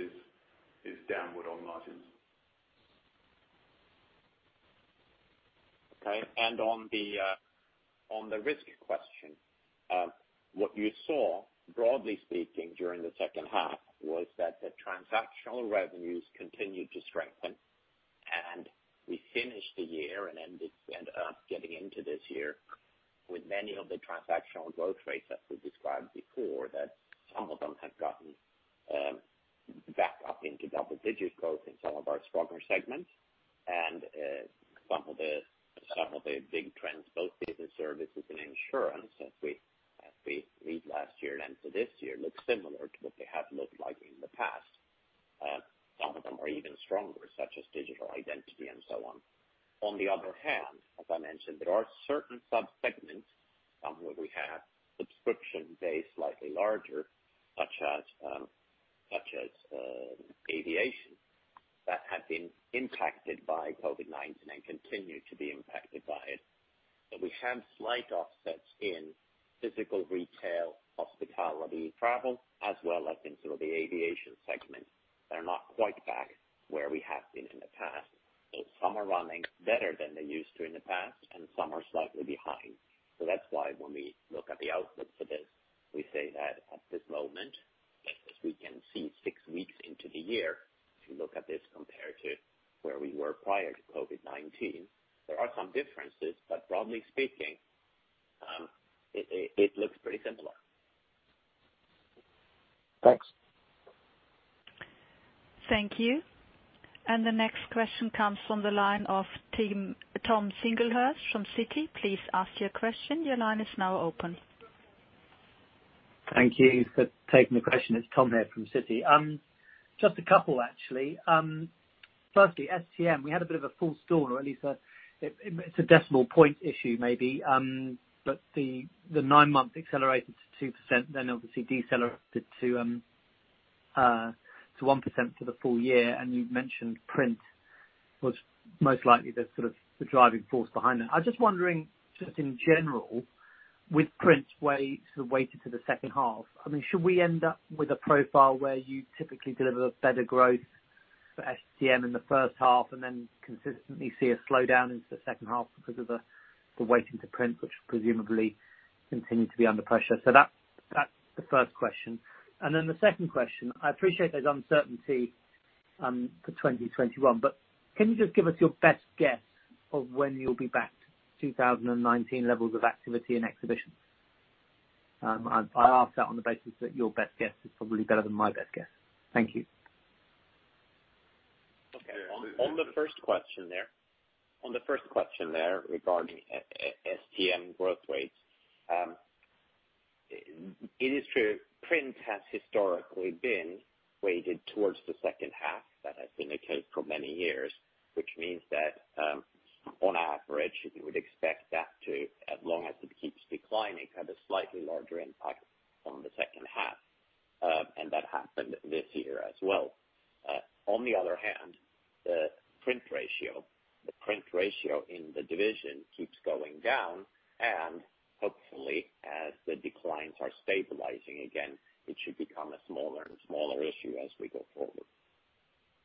Speaker 4: is downward on margins.
Speaker 3: Okay. On the Risk question, what you saw, broadly speaking, during the second half, was that the transactional revenues continued to strengthen, and we finished the year and ended up getting into this year with many of the transactional growth rates that we described before, that some of them have gotten back up into double digits growth in some of our stronger segments. Some of the big trends, both business services and insurance, as we leave last year and to this year, look similar to what they have looked like in the past. Some of them are even stronger, such as digital identity and so on. On the other hand, as I mentioned, there are certain sub-segments, some where we have subscription base slightly larger, such as aviation, that have been impacted by COVID-19 and continue to be impacted by it. We have slight offsets in physical retail, hospitality, travel, as well as in sort of the aviation segment, that are not quite back where we have been in the past. Some are running better than they used to in the past, and some are slightly behind. That's why when we look at the outlook for this, we say that at this moment, as we can see six weeks into the year, if you look at this compared to where we were prior to COVID-19, there are some differences. Broadly speaking, it looks pretty similar.
Speaker 6: Thanks.
Speaker 1: Thank you. The next question comes from the line of Tom Singlehurst from Citi. Please ask your question.
Speaker 7: Thank you for taking the question. It's Tom here from Citi. Just a couple, actually. Firstly, STM, we had a bit of a false alarm, or at least it's a decimal point issue maybe. The nine-month accelerated to 2%, then obviously decelerated to 1% for the full year, and you've mentioned print was most likely the sort of the driving force behind that. I was just wondering, just in general, with print weighted to the second half, should we end up with a profile where you typically deliver better growth for STM in the first half and then consistently see a slowdown into the second half because of the weighting to print, which presumably continued to be under pressure? That's the first question. The second question, I appreciate there's uncertainty for 2021, but can you just give us your best guess of when you'll be back to 2019 levels of activity and exhibitions? I ask that on the basis that your best guess is probably better than my best guess. Thank you.
Speaker 3: Okay. On the first question there regarding STM growth rates. It is true, print has historically been weighted towards the second half. That has been the case for many years, which means that on average, you would expect that to, as long as it keeps declining, have a slightly larger impact on the second half. That happened this year as well. On the other hand, the print ratio in the division keeps going down, and hopefully as the declines are stabilizing again, it should become a smaller and smaller issue as we go forward.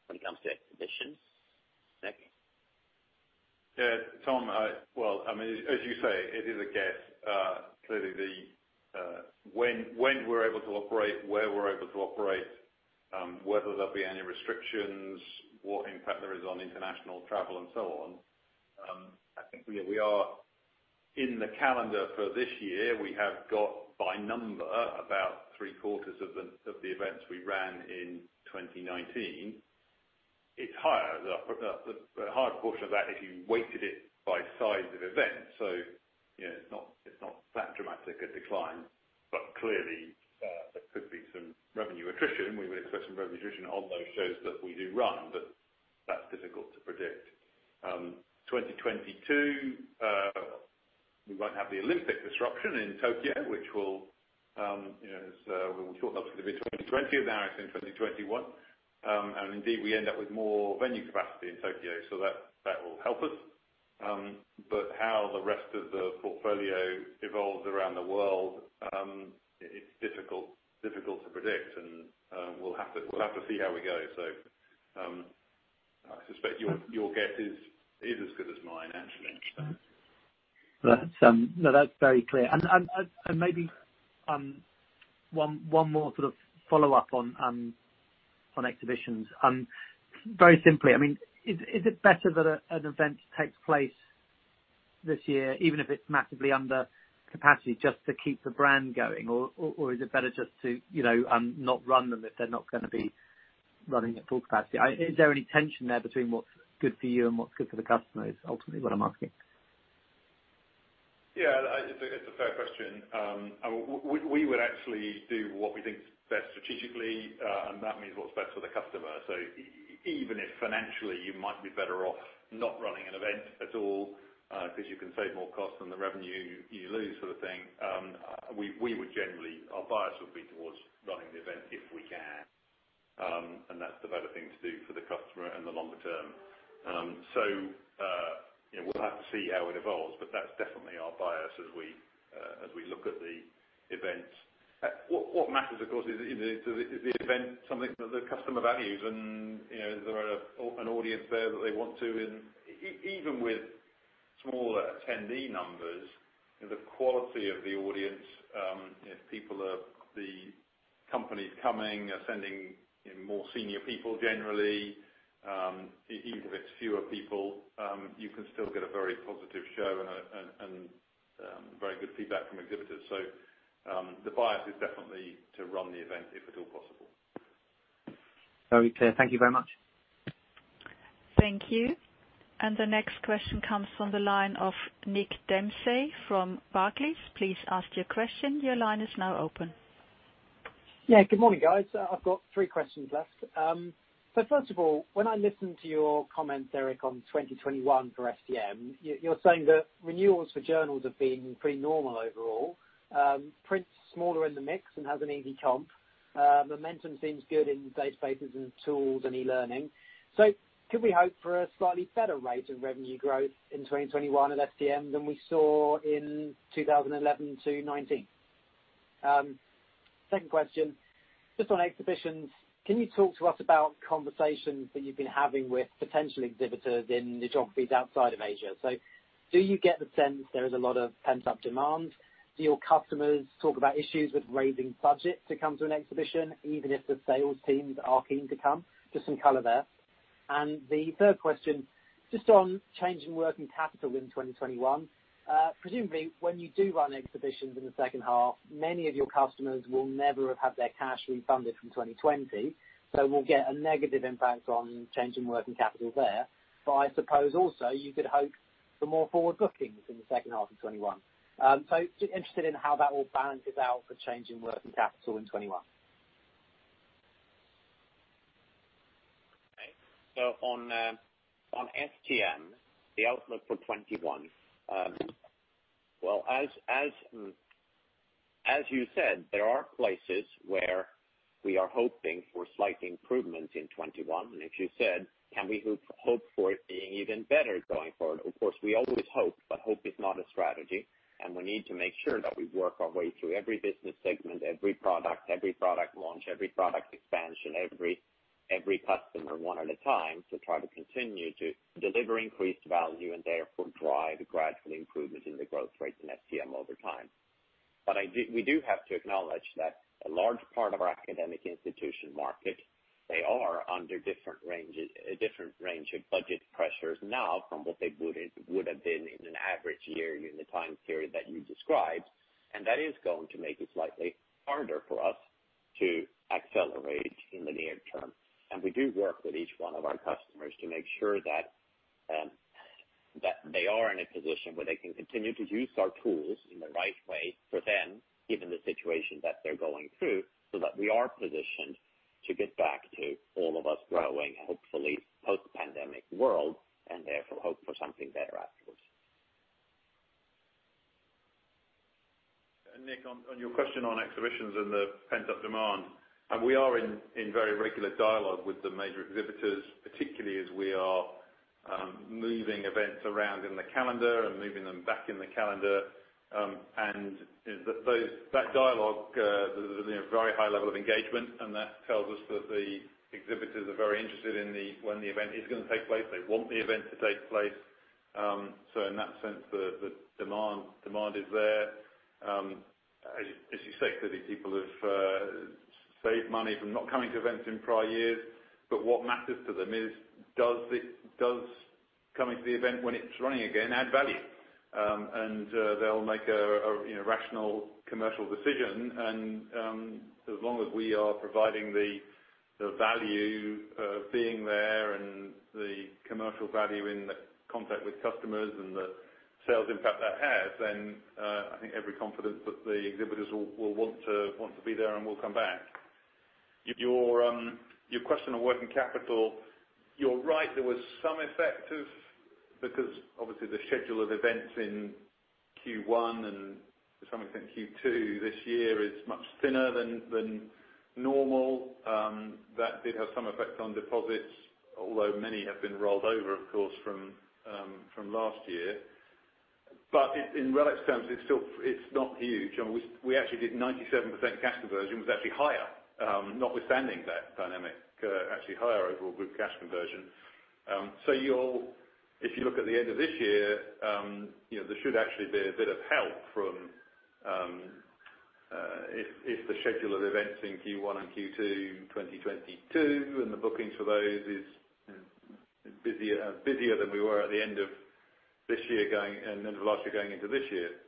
Speaker 3: When it comes to Exhibitions, Nick?
Speaker 4: Tom, well, as you say, it is a guess. Clearly when we're able to operate, where we're able to operate, whether there'll be any restrictions, what impact there is on international travel and so on. I think we are in the calendar for this year. We have got by number about three-quarters of the events we ran in 2019. It's higher, the hard portion of that, if you weighted it by size of event. It's not that dramatic a decline. Clearly there could be some revenue attrition. We would expect some revenue attrition on those shows that we do run, but that's difficult to predict. 2022, we won't have the Olympic disruption in Tokyo. We will talk about some of the 2020 events in 2021. Indeed, we end up with more venue capacity in Tokyo, that will help us. How the rest of the portfolio evolves around the world, it's difficult to predict, and we'll have to see how we go. I suspect your guess is as good as mine, as you mentioned.
Speaker 7: That's very clear. Maybe one more sort of follow-up on Exhibitions. Very simply, is it better that an event takes place this year, even if it's massively under capacity, just to keep the brand going? Or is it better just to not run them if they're not going to be running at full capacity? Is there any tension there between what's good for you and what's good for the customers, ultimately, is what I'm asking?
Speaker 4: Yeah, it's a fair question. We would actually do what we think is best strategically, that means what's best for the customer. Even if financially you might be better off not running an event at all because you can save more cost than the revenue you lose sort of thing, our bias would be towards running the event if we can. That's the better thing to do for the customer in the longer term. We'll have to see how it evolves, but that's definitely our bias as we look at the events. What matters, of course, is the event something that the customer values, is there an audience there that they want to in. Even with smaller attendee numbers, the quality of the audience, if the companies coming are sending more senior people generally, even if it's fewer people, you can still get a very positive show and very good feedback from exhibitors. The bias is definitely to run the event if at all possible.
Speaker 7: Very clear. Thank you very much.
Speaker 1: Thank you. The next question comes from the line of Nick Dempsey from Barclays. Please ask your question. Your line is now open.
Speaker 8: Good morning, guys. I've got three questions left. First of all, when I listened to your comments, Erik, on 2021 for STM, you're saying that renewals for journals have been pretty normal overall. Print's smaller in the mix and has an easy comp. Momentum seems good in databases and tools and e-learning. Could we hope for a slightly better rate of revenue growth in 2021 at STM than we saw in 2011 to 2019? Second question, just on Exhibitions, can you talk to us about conversations that you've been having with potential exhibitors in geographies outside of Asia? Do you get the sense there is a lot of pent-up demand? Do your customers talk about issues with raising budget to come to an Exhibition, even if the sales teams are keen to come? Just some color there. The third question, just on change in working capital in 2021. Presumably, when you do run exhibitions in the second half, many of your customers will never have had their cash refunded from 2020. We will get a negative impact on change in working capital there. I suppose also you could hope for more forward bookings in the second half of 2021. Just interested in how that all balances out for change in working capital in 2021.
Speaker 3: On STM, the outlook for 2021. As you said, there are places where we are hoping for slight improvements in 2021, and as you said, can we hope for it being even better going forward? Of course, we always hope is not a strategy, we need to make sure that we work our way through every business segment, every product, every product launch, every product expansion, every customer one at a time to try to continue to deliver increased value and therefore drive gradual improvement in the growth rate in STM over time. We do have to acknowledge that a large part of our academic institution market, they are under a different range of budget pressures now from what they would have been in an average year in the time period that you described. That is going to make it slightly harder for us to accelerate in the near term. We do work with each one of our customers to make sure that they are in a position where they can continue to use our tools in the right way for them, given the situation that they're going through, so that we are positioned to get back to all of us growing, hopefully post-pandemic world, and therefore hope for something better afterwards.
Speaker 4: Nick, on your question on Exhibitions and the pent-up demand, we are in very regular dialogue with the major exhibitors, particularly as we are moving events around in the calendar and moving them back in the calendar. That dialogue, there's a very high level of engagement, and that tells us that the exhibitors are very interested in when the event is going to take place. They want the event to take place. In that sense, the demand is there. As you say, clearly people have saved money from not coming to events in prior years, but what matters to them is does coming to the event when it's running again add value? They'll make a rational commercial decision. As long as we are providing the value of being there and the commercial value in the contact with customers and the sales impact that has, I think every confidence that the exhibitors will want to be there and will come back. Your question on working capital, you're right, there was some effect of because obviously the schedule of events in Q1 and some would say in Q2 this year is much thinner than normal. That did have some effect on deposits, although many have been rolled over, of course, from last year. In relative terms, it's not huge. We actually did 97% cash conversion. It was actually higher, notwithstanding that dynamic, actually higher overall group cash conversion. If you look at the end of this year, there should actually be a bit of help from If the schedule of events in Q1 and Q2 2022 and the bookings for those is busier than we were at the end of last year going into this year.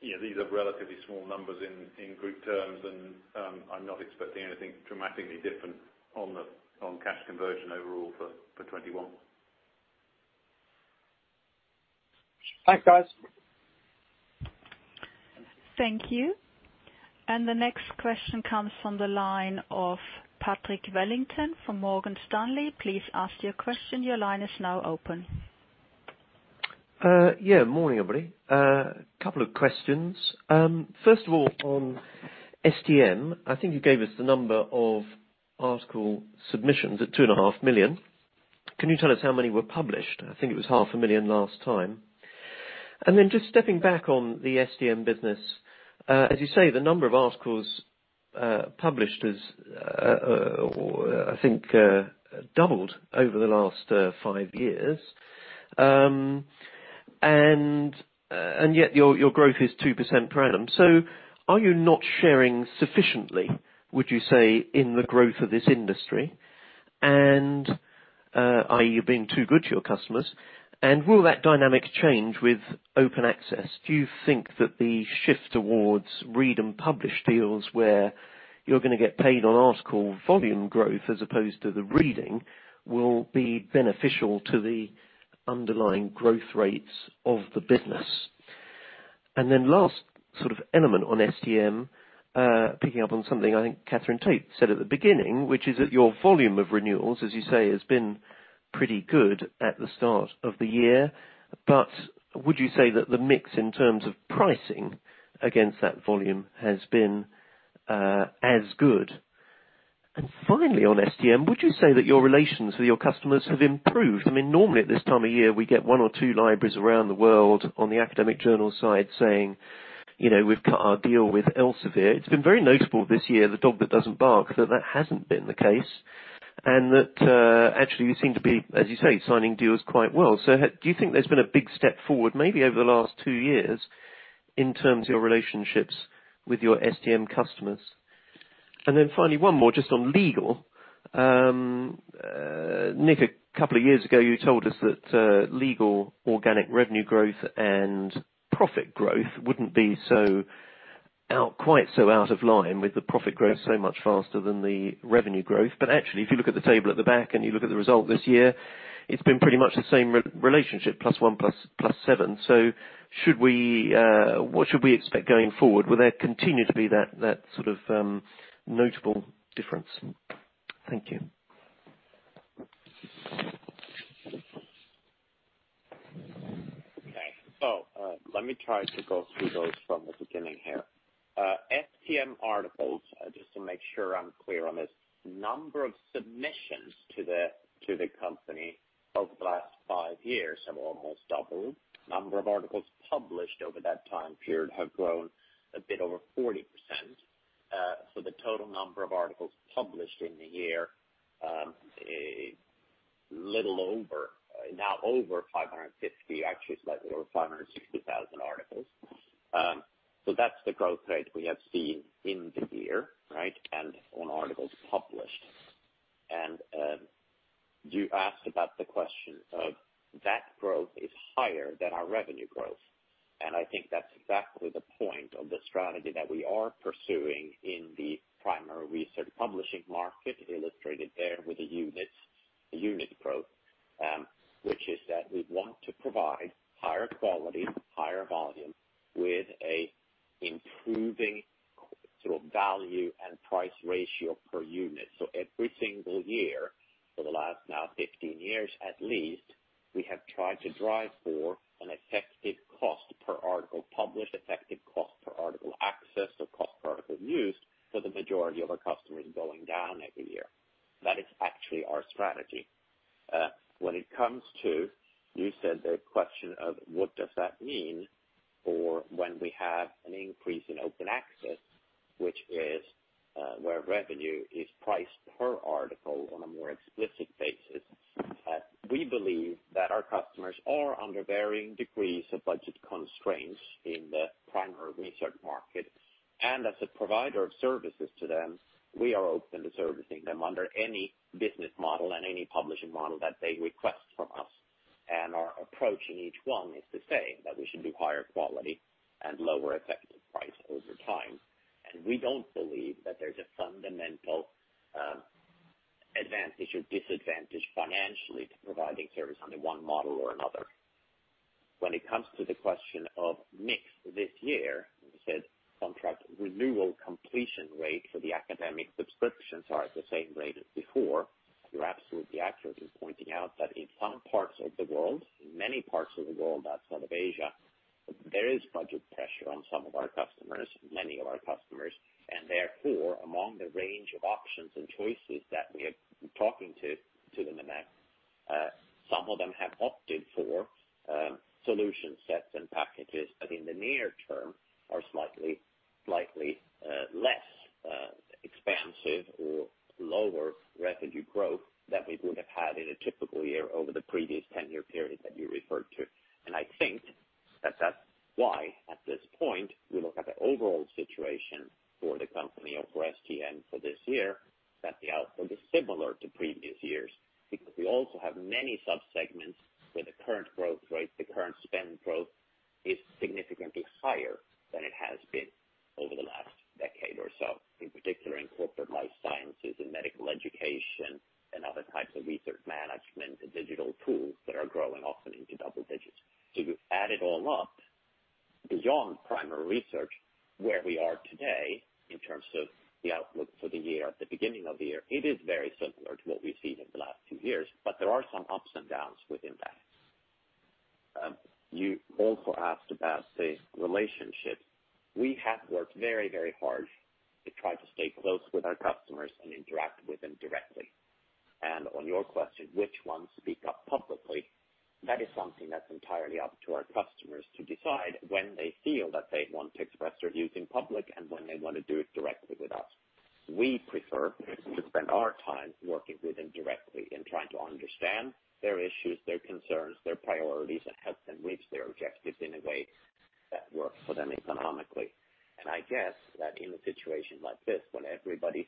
Speaker 4: These are relatively small numbers in group terms, and I'm not expecting anything dramatically different on cash conversion overall for 2021.
Speaker 8: Thanks, guys.
Speaker 1: Thank you. The next question comes from the line of Patrick Wellington from Morgan Stanley. Please ask your question.
Speaker 9: Yeah. Morning, everybody. A couple of questions. First of all, on STM, I think you gave us the number of article submissions at two and a half million. Can you tell us how many were published? I think it was half a million last time. Just stepping back on the STM business, as you say, the number of articles published has, I think, doubled over the last five years. Yet your growth is 2% per annum. Are you not sharing sufficiently, would you say, in the growth of this industry? Are you being too good to your customers? Will that dynamic change with Open Access? Do you think that the shift towards read and publish deals, where you're going to get paid on article volume growth as opposed to the reading, will be beneficial to the underlying growth rates of the business? Last sort of element on STM, picking up on something I think Katherine Tait said at the beginning, which is that your volume of renewals, as you say, has been pretty good at the start of the year. Would you say that the mix in terms of pricing against that volume has been as good? Finally, on STM, would you say that your relations with your customers have improved? Normally, at this time of year, we get one or two libraries around the world on the academic journal side saying, "We've cut our deal with Elsevier." It's been very notable this year, the dog that doesn't bark, that that hasn't been the case, and that actually you seem to be, as you say, signing deals quite well. Do you think there's been a big step forward, maybe over the last two years, in terms of your relationships with your STM customers? Then finally, one more just on legal. Nick, a couple of years ago, you told us that legal organic revenue growth and profit growth wouldn't be quite so out of line, with the profit growth so much faster than the revenue growth. Actually, if you look at the table at the back and you look at the result this year, it's been pretty much the same relationship, +1%, +7%. What should we expect going forward? Will there continue to be that sort of notable difference? Thank you.
Speaker 3: Okay. Let me try to go through those from the beginning here. STM articles, just to make sure I'm clear on this, number of submissions to the company over the last five years have almost doubled. Number of articles published over that time period have grown a bit over 40%. The total number of articles published in the year, a little over, now over 550, actually, it's slightly over 560,000 articles. That's the growth rate we have seen in the year, and on articles published. You asked about the question of that growth is higher than our revenue growth, and I think that's exactly the point of the strategy that we are pursuing in the primary research publishing market, illustrated there with the unit growth, which is that we want to provide higher quality, higher volume with a improving sort of value and price ratio per unit. Every single year for the last now 15 years, at least, we have tried to drive for an effective cost per article published, effective cost per article access or cost per article used for the majority of our customers going down every year. That is actually our strategy. When it comes to, you said the question of what does that mean for when we have an increase in Open Access, which is where revenue is priced per article on a more explicit basis. We believe that our customers are under varying degrees of budget constraints in the primary research market. As a provider of services to them, we are open to servicing them under any business model and any publishing model that they request from us. Our approach in each one is the same, that we should do higher quality and lower effective price over time. We don't believe that there's a fundamental advantage or disadvantage financially to providing service under one model or another. When it comes to the question of mix this year, you said contract renewal completion rate for the academic subscriptions are at the same rate as before. You're absolutely accurate in pointing out that in some parts of the world, in many parts of the world outside of Asia, there is budget pressure on some of our customers, many of our customers, and therefore, among the range of options and choices that we are talking to them about, some of them have opted for solution sets and packages that in the near term are slightly less expensive or lower revenue growth that we would have had in a typical year over the previous 10-year period that you referred to. I think that that's why, at this point, we look at the overall situation for the company or for STM for this year, that the outlook is similar to previous years, because we also have many sub-segments where the current growth rate, the current spend growth, is significantly higher than it has been over the last decade or so. In particular, in corporate life sciences and medical education and other types of research management and digital tools that are growing often into double digits. If you add it all up, beyond primary research, where we are today in terms of the outlook for the year, at the beginning of the year, it is very similar to what we've seen in the last two years, but there are some ups and downs within that. You also asked about the relationship. We have worked very, very hard to try to stay close with our customers and interact with them directly. On your question, which ones speak up publicly, that is something that's entirely up to our customers to decide when they feel that they want to express their views in public and when they want to do it directly with us. We prefer to spend our time working with them directly in trying to understand their issues, their concerns, their priorities, and help them reach their objectives in a way that works for them economically. I guess that in a situation like this, when everybody's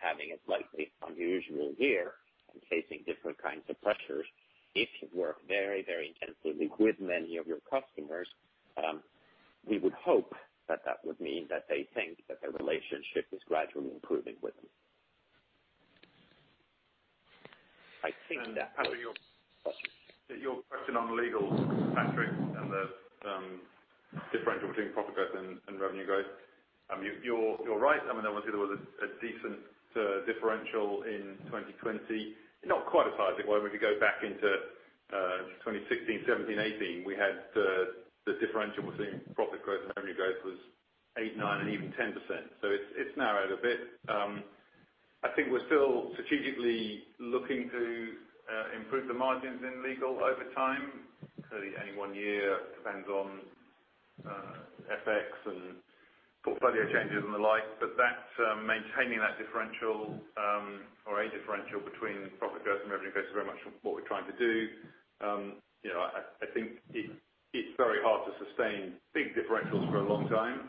Speaker 3: having a slightly unusual year and facing different kinds of pressures, if you work very, very intensively with many of your customers, we would hope that that would mean that they think that their relationship is gradually improving with them.
Speaker 4: To your question on Legal, Patrick, and the differential between profit growth and revenue growth, you're right. I mean, obviously there was a decent differential in 2020. Not quite as high as it were when we could go back into 2016, 2017, 2018. We had the differential between profit growth and revenue growth was eight, nine and even 10%. It's narrowed a bit. I think we're still strategically looking to improve the margins in Legal over time. Clearly, any one year depends on FX and portfolio changes and the like. Maintaining that differential, or a differential between profit growth and revenue growth is very much what we're trying to do. I think it's very hard to sustain big differentials for a long time.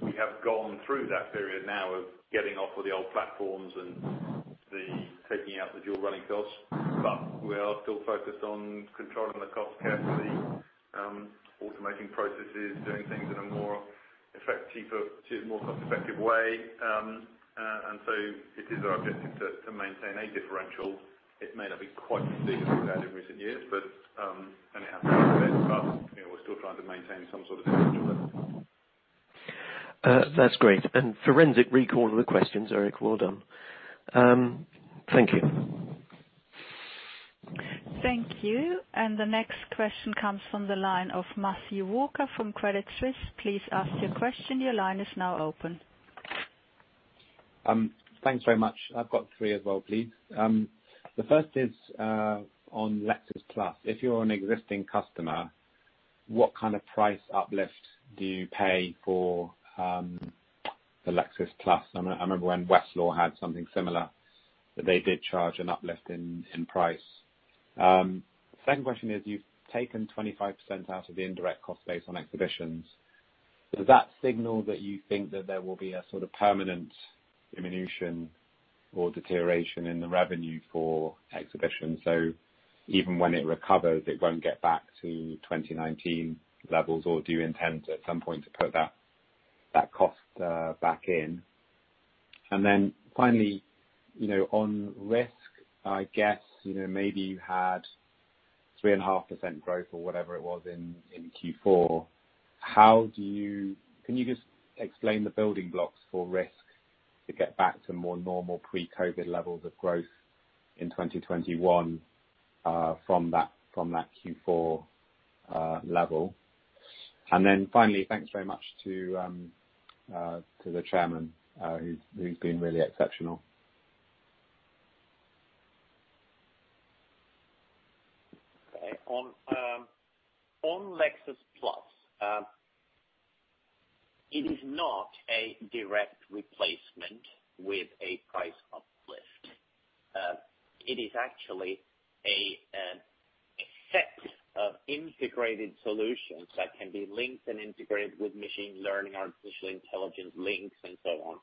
Speaker 4: We have gone through that period now of getting off of the old platforms and the taking out the dual running costs. We are still focused on controlling the cost carefully, automating processes, doing things in a more cost-effective way. It is our objective to maintain a differential. It may not be quite as big as we've had in recent years, and it has narrowed a bit. We're still trying to maintain some sort of differential there.
Speaker 9: That's great. forensic recall of the questions, Erik. Well done. Thank you.
Speaker 1: Thank you. The next question comes from the line of Matthew Walker from Credit Suisse. Please ask your question. Your line is now open.
Speaker 10: Thanks very much. I've got three as well, please. The first is on Lexis+. If you're an existing customer, what kind of price uplift do you pay for the Lexis+? Second question is, you've taken 25% out of the indirect cost base on Exhibitions. Does that signal that you think that there will be a sort of permanent diminution or deterioration in the revenue for Exhibitions? Even when it recovers, it won't get back to 2019 levels, or do you intend at some point to put that cost back in? Finally, on Risk, I guess maybe you had 3.5% growth or whatever it was in Q4. Can you just explain the building blocks for Risk to get back to more normal pre-COVID levels of growth in 2021 from that Q4 level? Finally, thanks very much to the Chairman, who's been really exceptional.
Speaker 3: On Lexis+, it is not a direct replacement with a price uplift. It is actually a set of integrated solutions that can be linked and integrated with machine learning, artificial intelligence links and so on.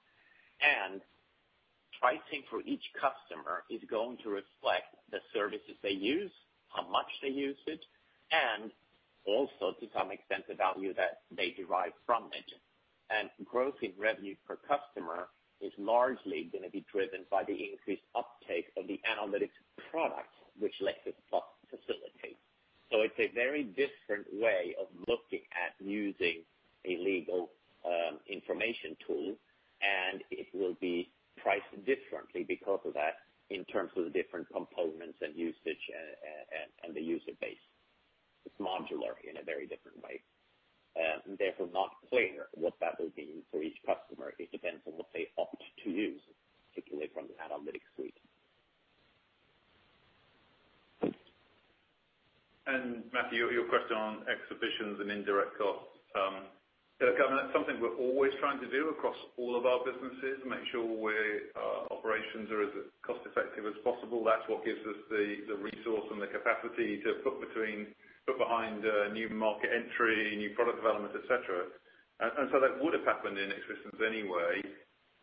Speaker 3: Pricing for each customer is going to reflect the services they use, how much they use it, and also to some extent, the value that they derive from it. Growth in revenue per customer is largely going to be driven by the increased uptake of the analytics products which Lexis+ facilitates. It's a very different way of looking at using a legal information tool, and it will be priced differently because of that in terms of the different components and usage, and the user base. It's modular in a very different way. Not clear what that will mean for each customer. It depends on what they opt to
Speaker 4: Matthew, your question on Exhibitions and indirect costs. Yeah, that's something we're always trying to do across all of our businesses, make sure our operations are as cost-effective as possible. That's what gives us the resource and the capacity to put behind new market entry, new product development, et cetera. That would have happened in Exhibitions anyway.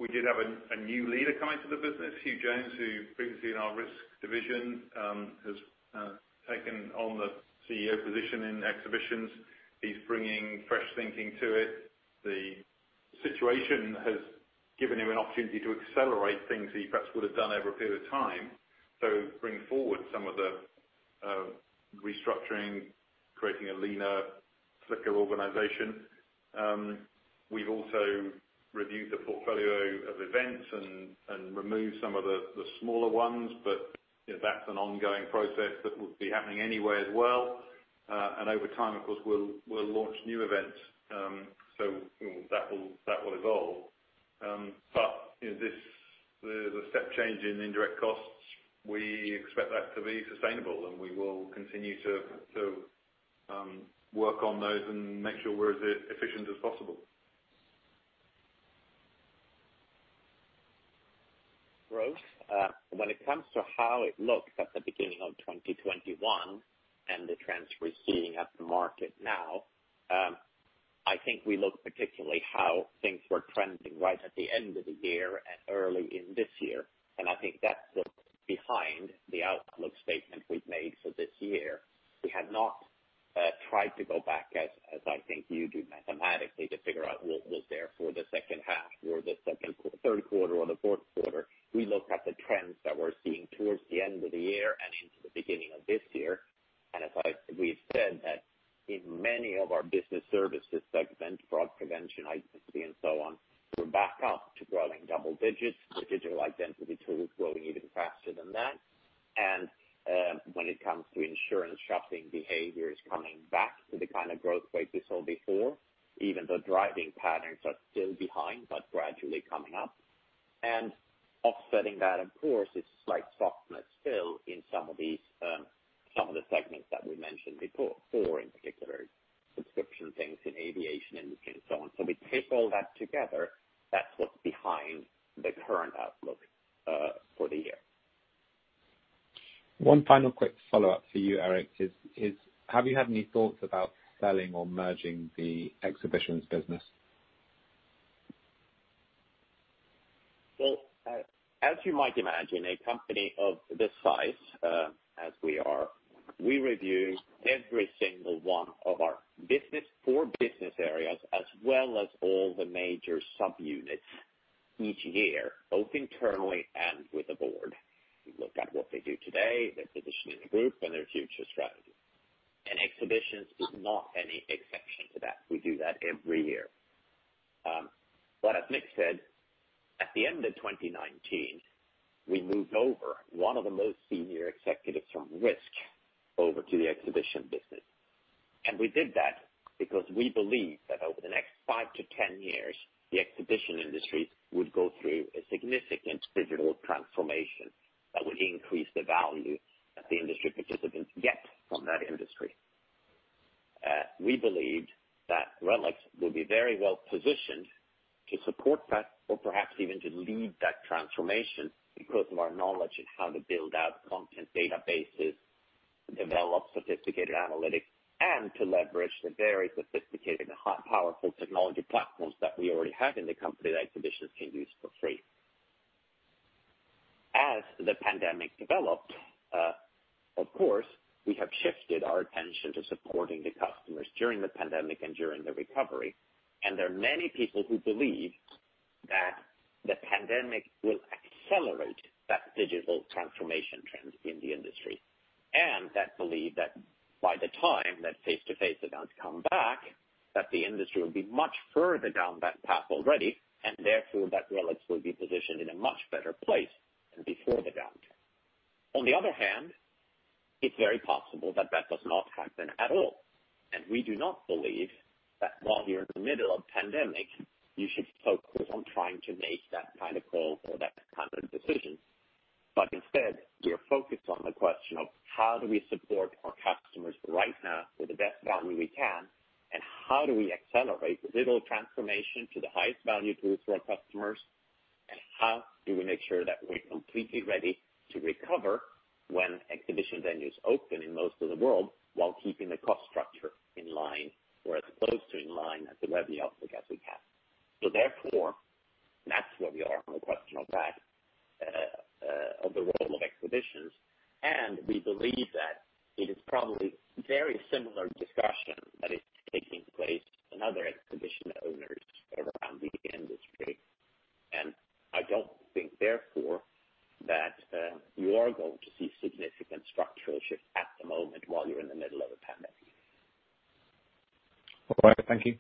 Speaker 4: We did have a new leader come into the business, Hugh Jones, who previously in our Risk division, has taken on the CEO position in Exhibitions. He's bringing fresh thinking to it. The situation has given him an opportunity to accelerate things that he perhaps would have done over a period of time. Bring forward some of the restructuring, creating a leaner, quicker organization. We've also reviewed the portfolio of events and removed some of the smaller ones. That's an ongoing process that would be happening anyway as well. Over time, of course, we'll launch new events. That will evolve. The step change in indirect costs, we expect that to be sustainable, and we will continue to work on those and make sure we're as efficient as possible.
Speaker 3: Growth. When it comes to how it looks at the beginning of 2021 and the trends we're seeing at the market now, I think we look particularly how things were trending right at the end of the year and early in this year. I think that's what's behind the outlook statement we've made for this year. We have not tried to go back as I think you do mathematically, to figure out what was there for the second half or the third quarter or the fourth quarter. We look at the trends that we're seeing towards the end of the year and into the beginning of this year. As we've said that in many of our business services segments, fraud prevention, identity, and so on, we're back up to growing double digits, with digital identity tools growing even faster than that. When it comes to insurance, shopping behavior is coming back to the kind of growth rate we saw before, even though driving patterns are still behind, but gradually coming up. Offsetting that, of course, is slight softness still in some of the segments that we mentioned before, in particular subscription things in aviation and so on. We take all that together, that's what's behind the current outlook for the year.
Speaker 10: One final quick follow-up for you, Erik, is have you had any thoughts about selling or merging the Exhibitions business?
Speaker 3: Well, as you might imagine, a company of this size as we are, we review every single one of our four business areas as well as all the major subunits each year, both internally and with the board. We look at what they do today, their position in the group and their future strategy. Exhibitions is not any exception to that. We do that every year. As Nick said, at the end of 2019, we moved over one of the most senior executives from Risk over to the Exhibitions business. We did that because we believe that over the next five to 10 years, the exhibition industry would go through a significant digital transformation that would increase the value that the industry participants get from that industry. We believed that RELX will be very well positioned to support that or perhaps even to lead that transformation because of our knowledge in how to build out content databases, develop sophisticated analytics, and to leverage the very sophisticated and powerful technology platforms that we already have in the company that Exhibitions can use for free. As the pandemic developed, of course, we have shifted our attention to supporting the customers during the pandemic and during the recovery, and there are many people who believe that the pandemic will accelerate that digital transformation trend in the industry. That believe that by the time that face-to-face events come back, that the industry will be much further down that path already, and therefore that RELX will be positioned in a much better place than before the downturn. On the other hand, it's very possible that that does not happen at all, and we do not believe that while we're in the middle of pandemic, you should focus on trying to make that kind of call or that kind of decision. Instead, we are focused on the question of how do we support our customers right now with the best value we can, and how do we accelerate digital transformation to the highest value to our customers, and how do we make sure that we're completely ready to recover when exhibition venues open in most of the world while keeping the cost structure in line or as close to in line as the revenue outlook as we can. Therefore, that's where we are on the question of that, of the role of Exhibitions, and we believe that it is probably very similar discussion that is taking place in other exhibition owners around the industry. I don't think therefore that you are going to see significant structural shift at the moment while you're in the middle of a pandemic.
Speaker 10: All right. Thank you.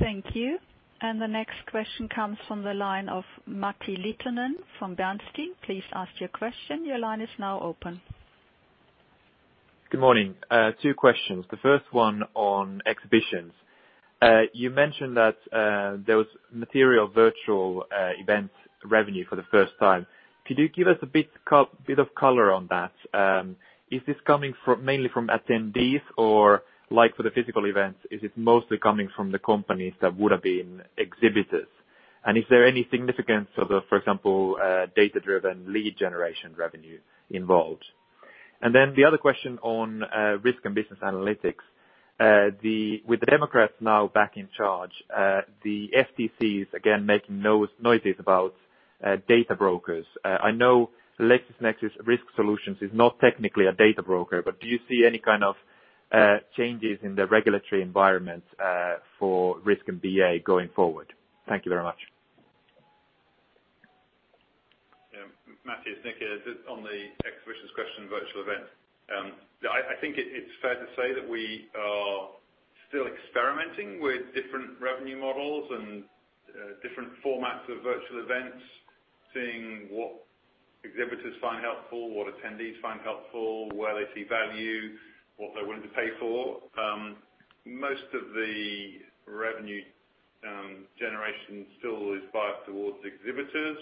Speaker 1: Thank you. The next question comes from the line of Matti Littunen from Bernstein. Please ask your question. Your line is now open.
Speaker 11: Good morning. Two questions. The first one on Exhibitions. You mentioned that there was material virtual event revenue for the first time. Could you give us a bit of color on that? Is this coming mainly from attendees or like for the physical events, is it mostly coming from the companies that would have been exhibitors? Is there any significance of the, for example, data-driven lead generation revenue involved? The other question on Risk & Business Analytics, with the Democrats now back in charge, the FTC is again making noises about data brokers. I know LexisNexis Risk Solutions is not technically a data broker, do you see any kind of changes in the regulatory environment for Risk & BA going forward? Thank you very much.
Speaker 4: Matthew, it's Nick. On the Exhibitions question, virtual events, I think it's fair to say that we are still experimenting with different revenue models and different formats of virtual events, seeing what exhibitors find helpful, what attendees find helpful, where they see value, what they're willing to pay for. Most of the revenue generation still is biased towards exhibitors.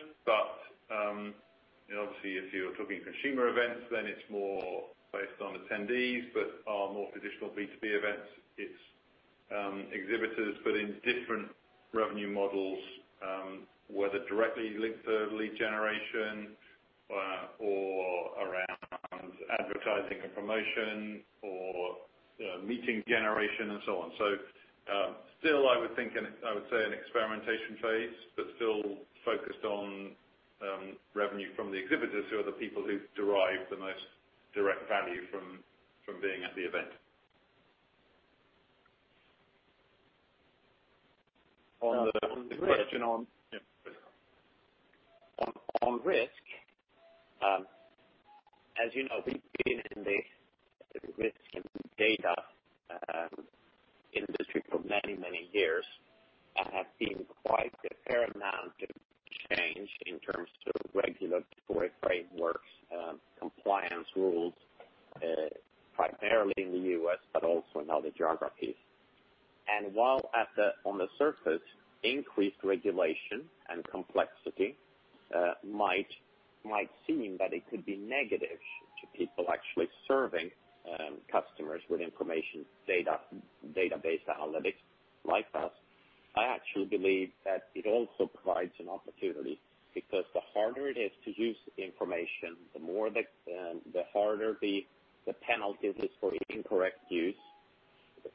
Speaker 4: Obviously if you're talking consumer events, then it's more based on attendees. Our more traditional B2B events, it's exhibitors, but in different revenue models, whether directly linked to lead generation or around advertising and promotion, or meeting generation and so on. Still, I would say an experimentation phase, but still focused on revenue from the exhibitors who are the people who derive the most direct value from being at the event. On the question on.
Speaker 3: On Risk, as you know, we've been in the risk and data industry for many, many years, have seen quite a fair amount of change in terms of regulatory frameworks, compliance rules, primarily in the U.S., but also in other geographies. While on the surface, increased regulation and complexity might seem that it could be negative to people actually serving customers with information, database analytics like us, I actually believe that it also provides an opportunity because the harder it is to use information, the harder the penalties for incorrect use,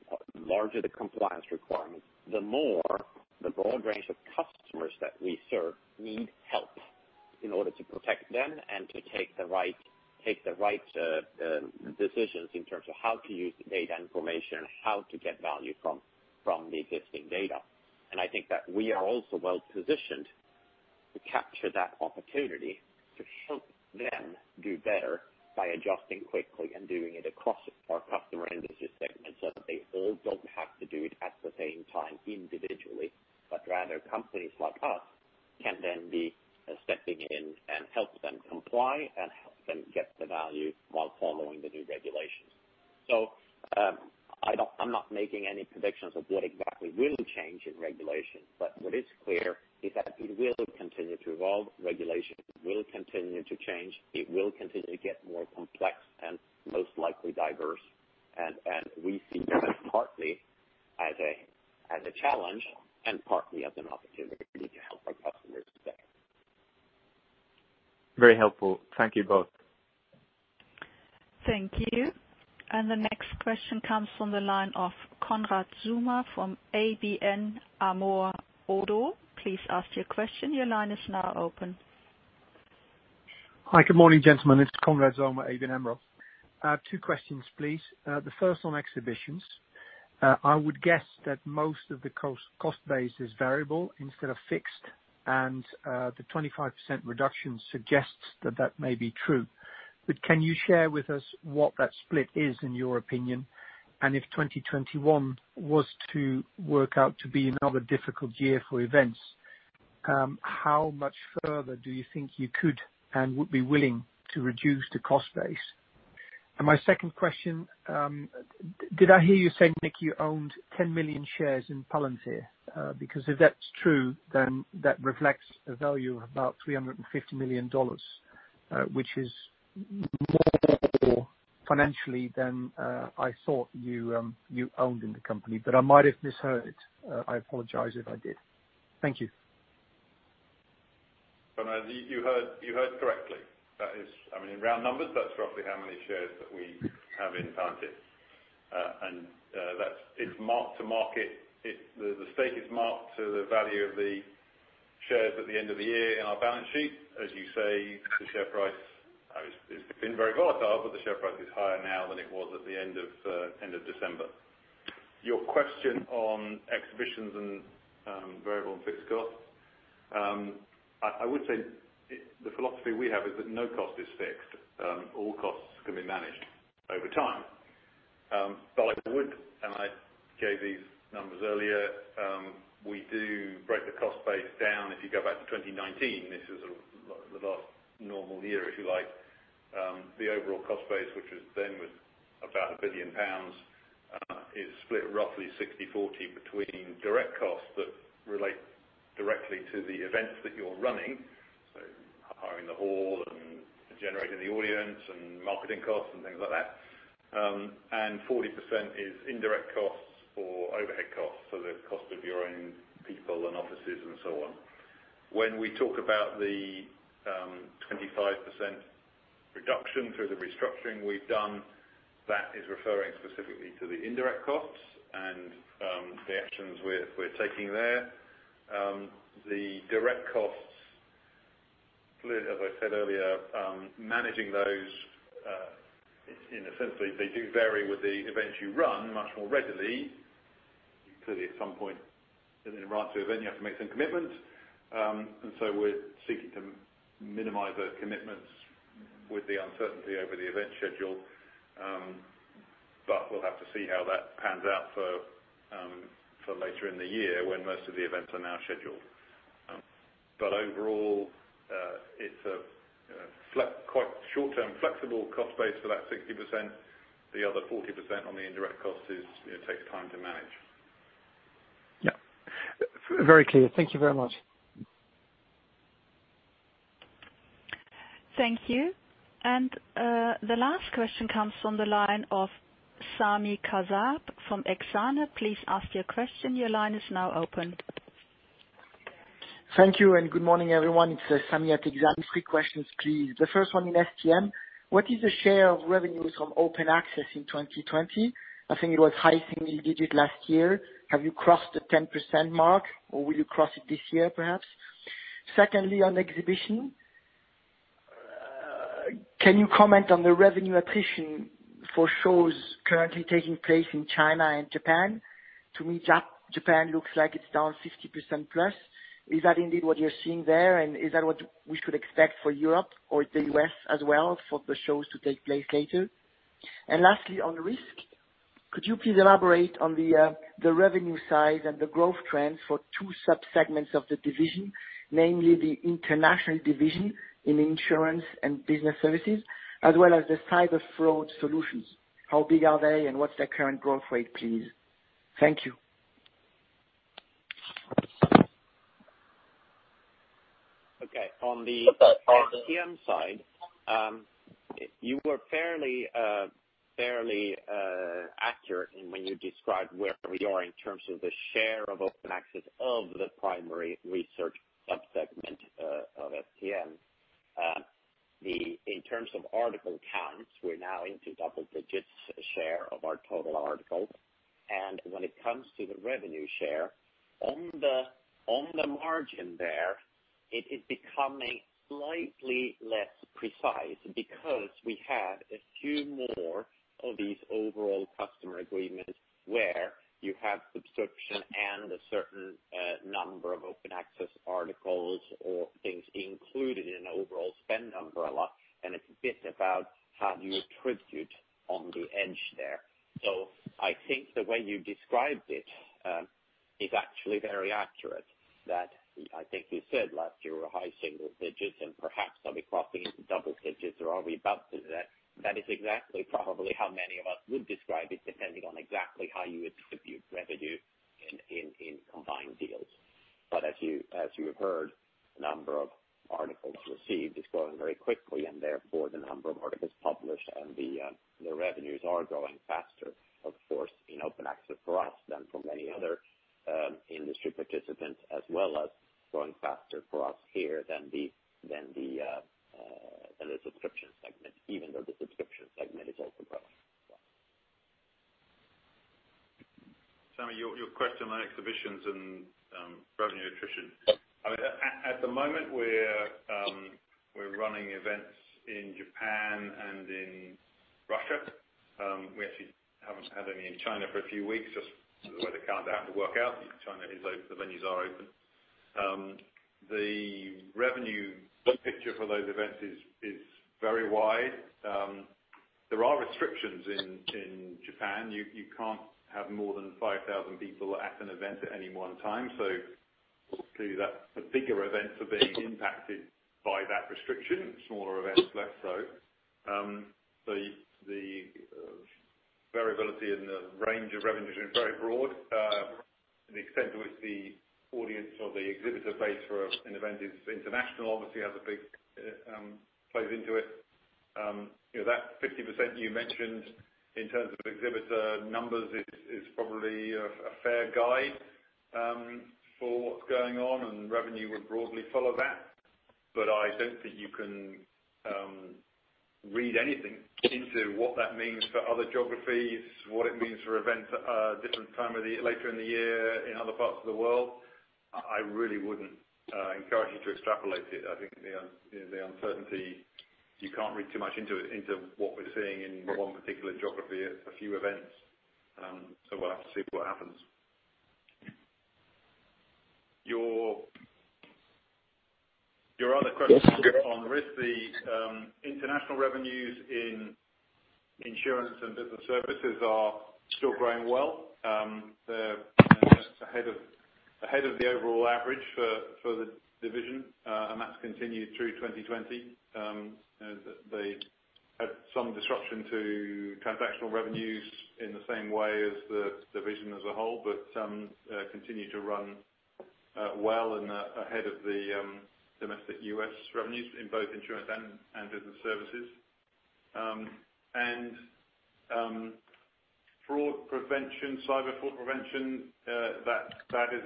Speaker 3: the larger the compliance requirements, the more the broad range of customers that we serve need help in order to protect them and to take the right decisions in terms of how to use the data information, how to get value from the existing data. I think that we are also well-positioned to capture that opportunity to help them do better by adjusting quickly and doing it across our customer industry segments, so that they all don't have to do it at the same time individually, but rather companies like us can then be stepping in and help them comply and help them get the value while following the new regulations. I'm not making any predictions of what exactly will change in regulation. What is clear is that it will continue to evolve. Regulation will continue to change. It will continue to get more complex and most likely diverse. We see that partly as a challenge and partly as an opportunity to help our customers today.
Speaker 11: Very helpful. Thank you both.
Speaker 1: Thank you. The next question comes from the line of Konrad Zomer from ABN AMRO-ODDO. Please ask your question. Your line is now open.
Speaker 12: Hi, good morning, gentlemen. It's Konrad Zomer, ABN AMRO. Two questions, please. The first on exhibitions. I would guess that most of the cost base is variable instead of fixed, and the 25% reduction suggests that that may be true. Can you share with us what that split is in your opinion? If 2021 was to work out to be another difficult year for events, how much further do you think you could and would be willing to reduce the cost base? My second question, did I hear you say, Nick, you owned 10 million shares in Palantir? If that's true, then that reflects a value of about $350 million, which is more financially than I thought you owned in the company. I might have misheard. I apologize if I did. Thank you.
Speaker 4: Konrad, you heard correctly. In round numbers, that's roughly how many shares that we have in Palantir. The stake is marked to the value of the shares at the end of the year in our balance sheet. As you say, the share price has been very volatile, the share price is higher now than it was at the end of December. Your question on Exhibitions and variable and fixed costs. I would say the philosophy we have is that no cost is fixed. All costs can be managed over time. I would, and I gave these numbers earlier. If you go back to 2019, this was the last normal year, if you like. The overall cost base, which then was about 1 billion pounds, is split roughly 60/40 between direct costs that relate directly to the events that you're running, so hiring the hall and generating the audience and marketing costs and things like that. 40% is indirect costs or overhead costs, so the cost of your own people and offices and so on. When we talk about the 25% reduction through the restructuring we've done, that is referring specifically to the indirect costs and the actions we're taking there. The direct costs, as I said earlier, managing those, essentially, they do vary with the events you run much more readily. Clearly, at some point, you have to make some commitments. We're seeking to minimize those commitments with the uncertainty over the event schedule. We'll have to see how that pans out for later in the year when most of the events are now scheduled. Overall, it's a quite short-term flexible cost base for that 60%. The other 40% on the indirect cost takes time to manage.
Speaker 12: Yeah. Very clear. Thank you very much.
Speaker 1: Thank you. The last question comes from the line of Sami Kassab from Exane. Please ask your question. Your line is now open.
Speaker 13: Thank you, good morning, everyone. It's Sami at Exane. Three questions, please. The first one in STM. What is the share of revenues from Open Access in 2020? I think it was high single digit last year. Have you crossed the 10% mark or will you cross it this year, perhaps? Secondly, on exhibition. Can you comment on the revenue attrition for shows currently taking place in China and Japan? To me, Japan looks like it's down 50% plus. Is that indeed what you're seeing there? Is that what we should expect for Europe or the U.S. as well for the shows to take place later? Lastly, on Risk, could you please elaborate on the revenue side and the growth trends for two sub-segments of the division, namely the international division in insurance and business services, as well as the cyber fraud solutions. How big are they, and what's their current growth rate, please? Thank you.
Speaker 3: On the STM side, you were fairly accurate when you described where we are in terms of the share of Open Access of the primary research sub-segment of STM. In terms of article counts, we're now into double digits share of our total articles. When it comes to the revenue share, on the margin there, it is becoming slightly less precise because we have a few more of these overall customer agreements where you have subscription and a certain number of Open Access articles or things included in an overall spend umbrella, and it's a bit about how you attribute on the edge there. I think the way you described it is actually very accurate. I think you said last year were high single digits and perhaps are we crossing into double digits or are we about to do that?
Speaker 4: That is exactly probably how many of us would describe it, depending on exactly how you would distribute revenue in combined deals. As you have heard, the number of articles received is growing very quickly, and therefore the number of articles published and the revenues are growing faster, of course, in open access for us than for many other industry participants, as well as growing faster for us here than the subscription segment, even though the subscription segment is also growing as well. Sami, your question on exhibitions and revenue attrition. At the moment, we're running events in Japan and in Russia. We actually haven't had any in China for a few weeks, just the way the calendar happened to work out. China is open, the venues are open. The revenue picture for those events is very wide. There are restrictions in Japan. You can't have more than 5,000 people at an event at any one time. Clearly, the bigger events are being impacted by that restriction, smaller events less so. The variability and the range of revenues are very broad. The extent to which the audience or the exhibitor base for an event is international obviously plays into it. That 50% you mentioned in terms of exhibitor numbers is probably a fair guide for what's going on, and revenue would broadly follow that. I don't think you can read anything into what that means for other geographies, what it means for events at a different time later in the year in other parts of the world. I really wouldn't encourage you to extrapolate it. I think the uncertainty, you can't read too much into what we're seeing in one particular geography at a few events.
Speaker 3: We'll have to see what happens. Your other question on Risk. International revenues in insurance and business services are still growing well. They're ahead of the overall average for the division, and that's continued through 2020. They had some disruption to transactional revenues in the same way as the division as a whole, but continue to run well and ahead of the domestic U.S. revenues in both insurance and business services. Fraud prevention, cyber fraud prevention, that is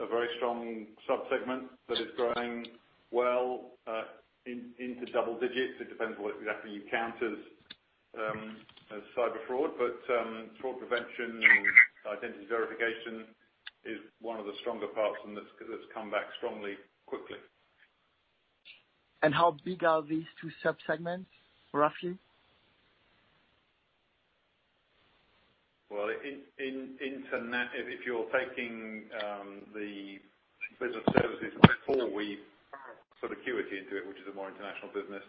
Speaker 3: a very strong sub-segment that is growing well into double digits. It depends on what exactly you count as cyber fraud. Fraud prevention and identity verification is one of the stronger parts, and that's come back strongly, quickly.
Speaker 13: How big are these two sub-segments, roughly?
Speaker 4: If you're taking the business services before we put Accuity into it, which is a more international business,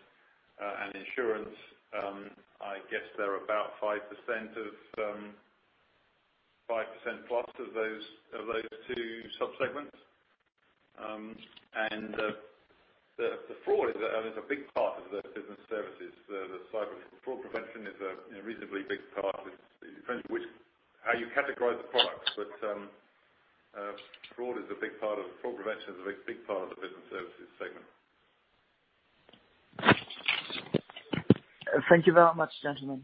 Speaker 4: and insurance, I guess they're about 5% plus of those two sub-segments. The fraud is a big part of the business services. The cyber fraud prevention is a reasonably big part. It depends how you categorize the product. Fraud prevention is a big part of the business services segment.
Speaker 13: Thank you very much, gentlemen.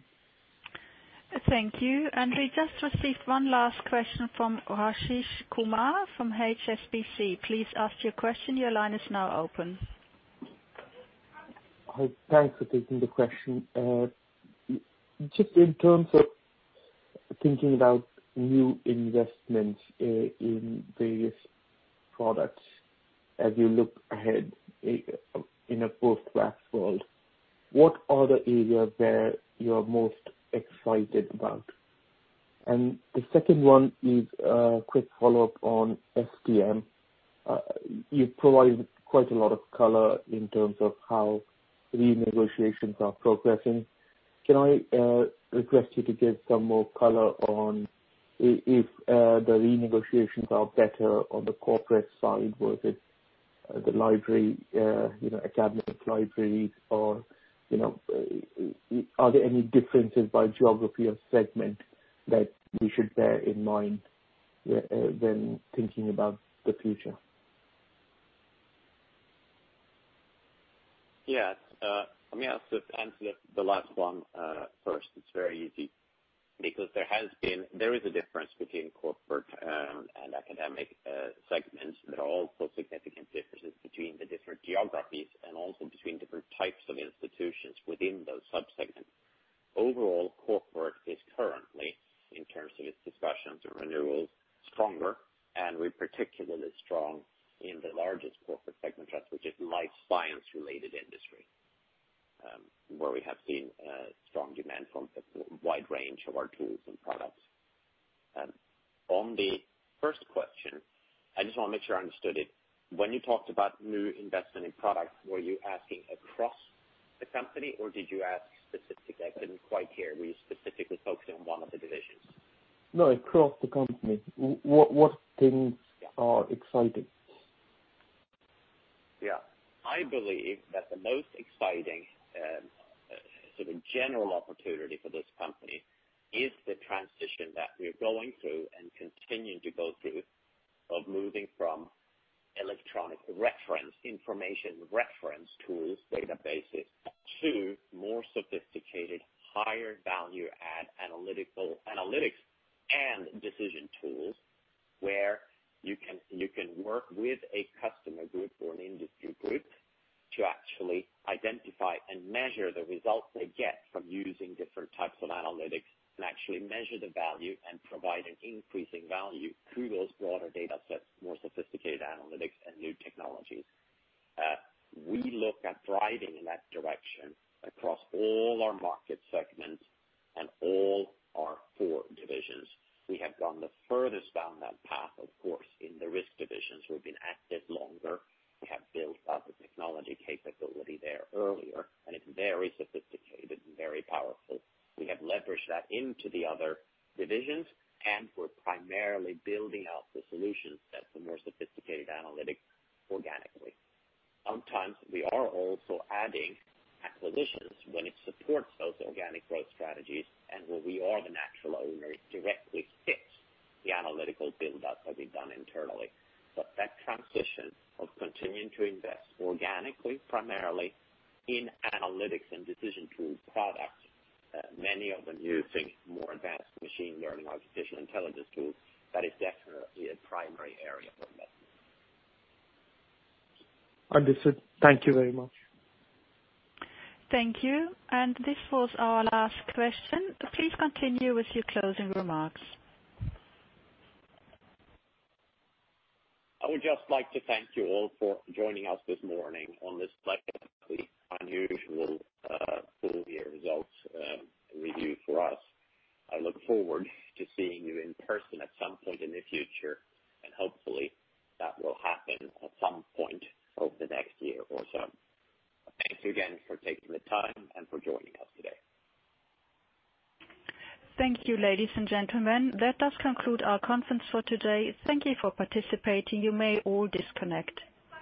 Speaker 1: Thank you. We just received one last question from Rajesh Kumar from HSBC. Please ask your question. Your line is now open.
Speaker 14: Hi. Thanks for taking the question. Just in terms of thinking about new investments in various products as you look ahead in a post-COVID world, what are the areas where you're most excited about? The second one is a quick follow-up on STM. You've provided quite a lot of color in terms of how renegotiations are progressing. Can I request you to give some more color on if the renegotiations are better on the corporate side? Was it the library, academic libraries, or are there any differences by geography or segment that we should bear in mind when thinking about the future?
Speaker 3: Yes. Let me answer the last one first. It's very easy. There is a difference between corporate and academic segments. There are also significant differences between the different geographies and also between different types of institutions within those sub-segments. Overall, corporate is currently, in terms of its discussions and renewals, stronger, and we're particularly strong in the largest corporate segment, which is life science-related industry where we have seen strong demand from a wide range of our tools and products. On the first question, I just want to make sure I understood it. When you talked about new investment in products, were you asking across the company or did you ask specific? I didn't quite hear. Were you specifically focusing on one of the divisions?
Speaker 14: No, across the company. What things are exciting?
Speaker 3: Yeah. I believe that the most exciting general opportunity for this company is the transition that we're going through and continuing to go through of moving from electronic reference information, reference tools, databases, to more sophisticated, higher value-add analytics and decision tools where you can work with a customer group or an industry group to actually identify and measure the results they get from using different types of analytics, and actually measure the value and provide an increasing value through those broader data sets, more sophisticated analytics and new technologies. We look at driving in that direction across all our market segments and all our four divisions. We have gone the furthest down that path, of course, in the risk divisions. We've been active longer. We have built up the technology capability there earlier, and it's very sophisticated and very powerful.
Speaker 4: We have leveraged that into the other divisions, and we're primarily building out the solutions that the more sophisticated analytics organically. Sometimes we are also adding acquisitions when it supports those organic growth strategies, and where we are the natural owner, it directly fits the analytical build-up that we've done internally. That transition of continuing to invest organically, primarily in analytics and decision tool products many of the new things, more advanced machine learning, artificial intelligence tools, that is definitely a primary area for investment.
Speaker 14: Understood. Thank you very much.
Speaker 1: Thank you. This was our last question. Please continue with your closing remarks.
Speaker 3: I would just like to thank you all for joining us this morning on this slightly unusual full year results review for us. I look forward to seeing you in person at some point in the future, and hopefully that will happen at some point over the next year or so. Thank you again for taking the time and for joining us today.
Speaker 1: Thank you, ladies and gentlemen. That does conclude our conference for today. Thank you for participating. You may all disconnect.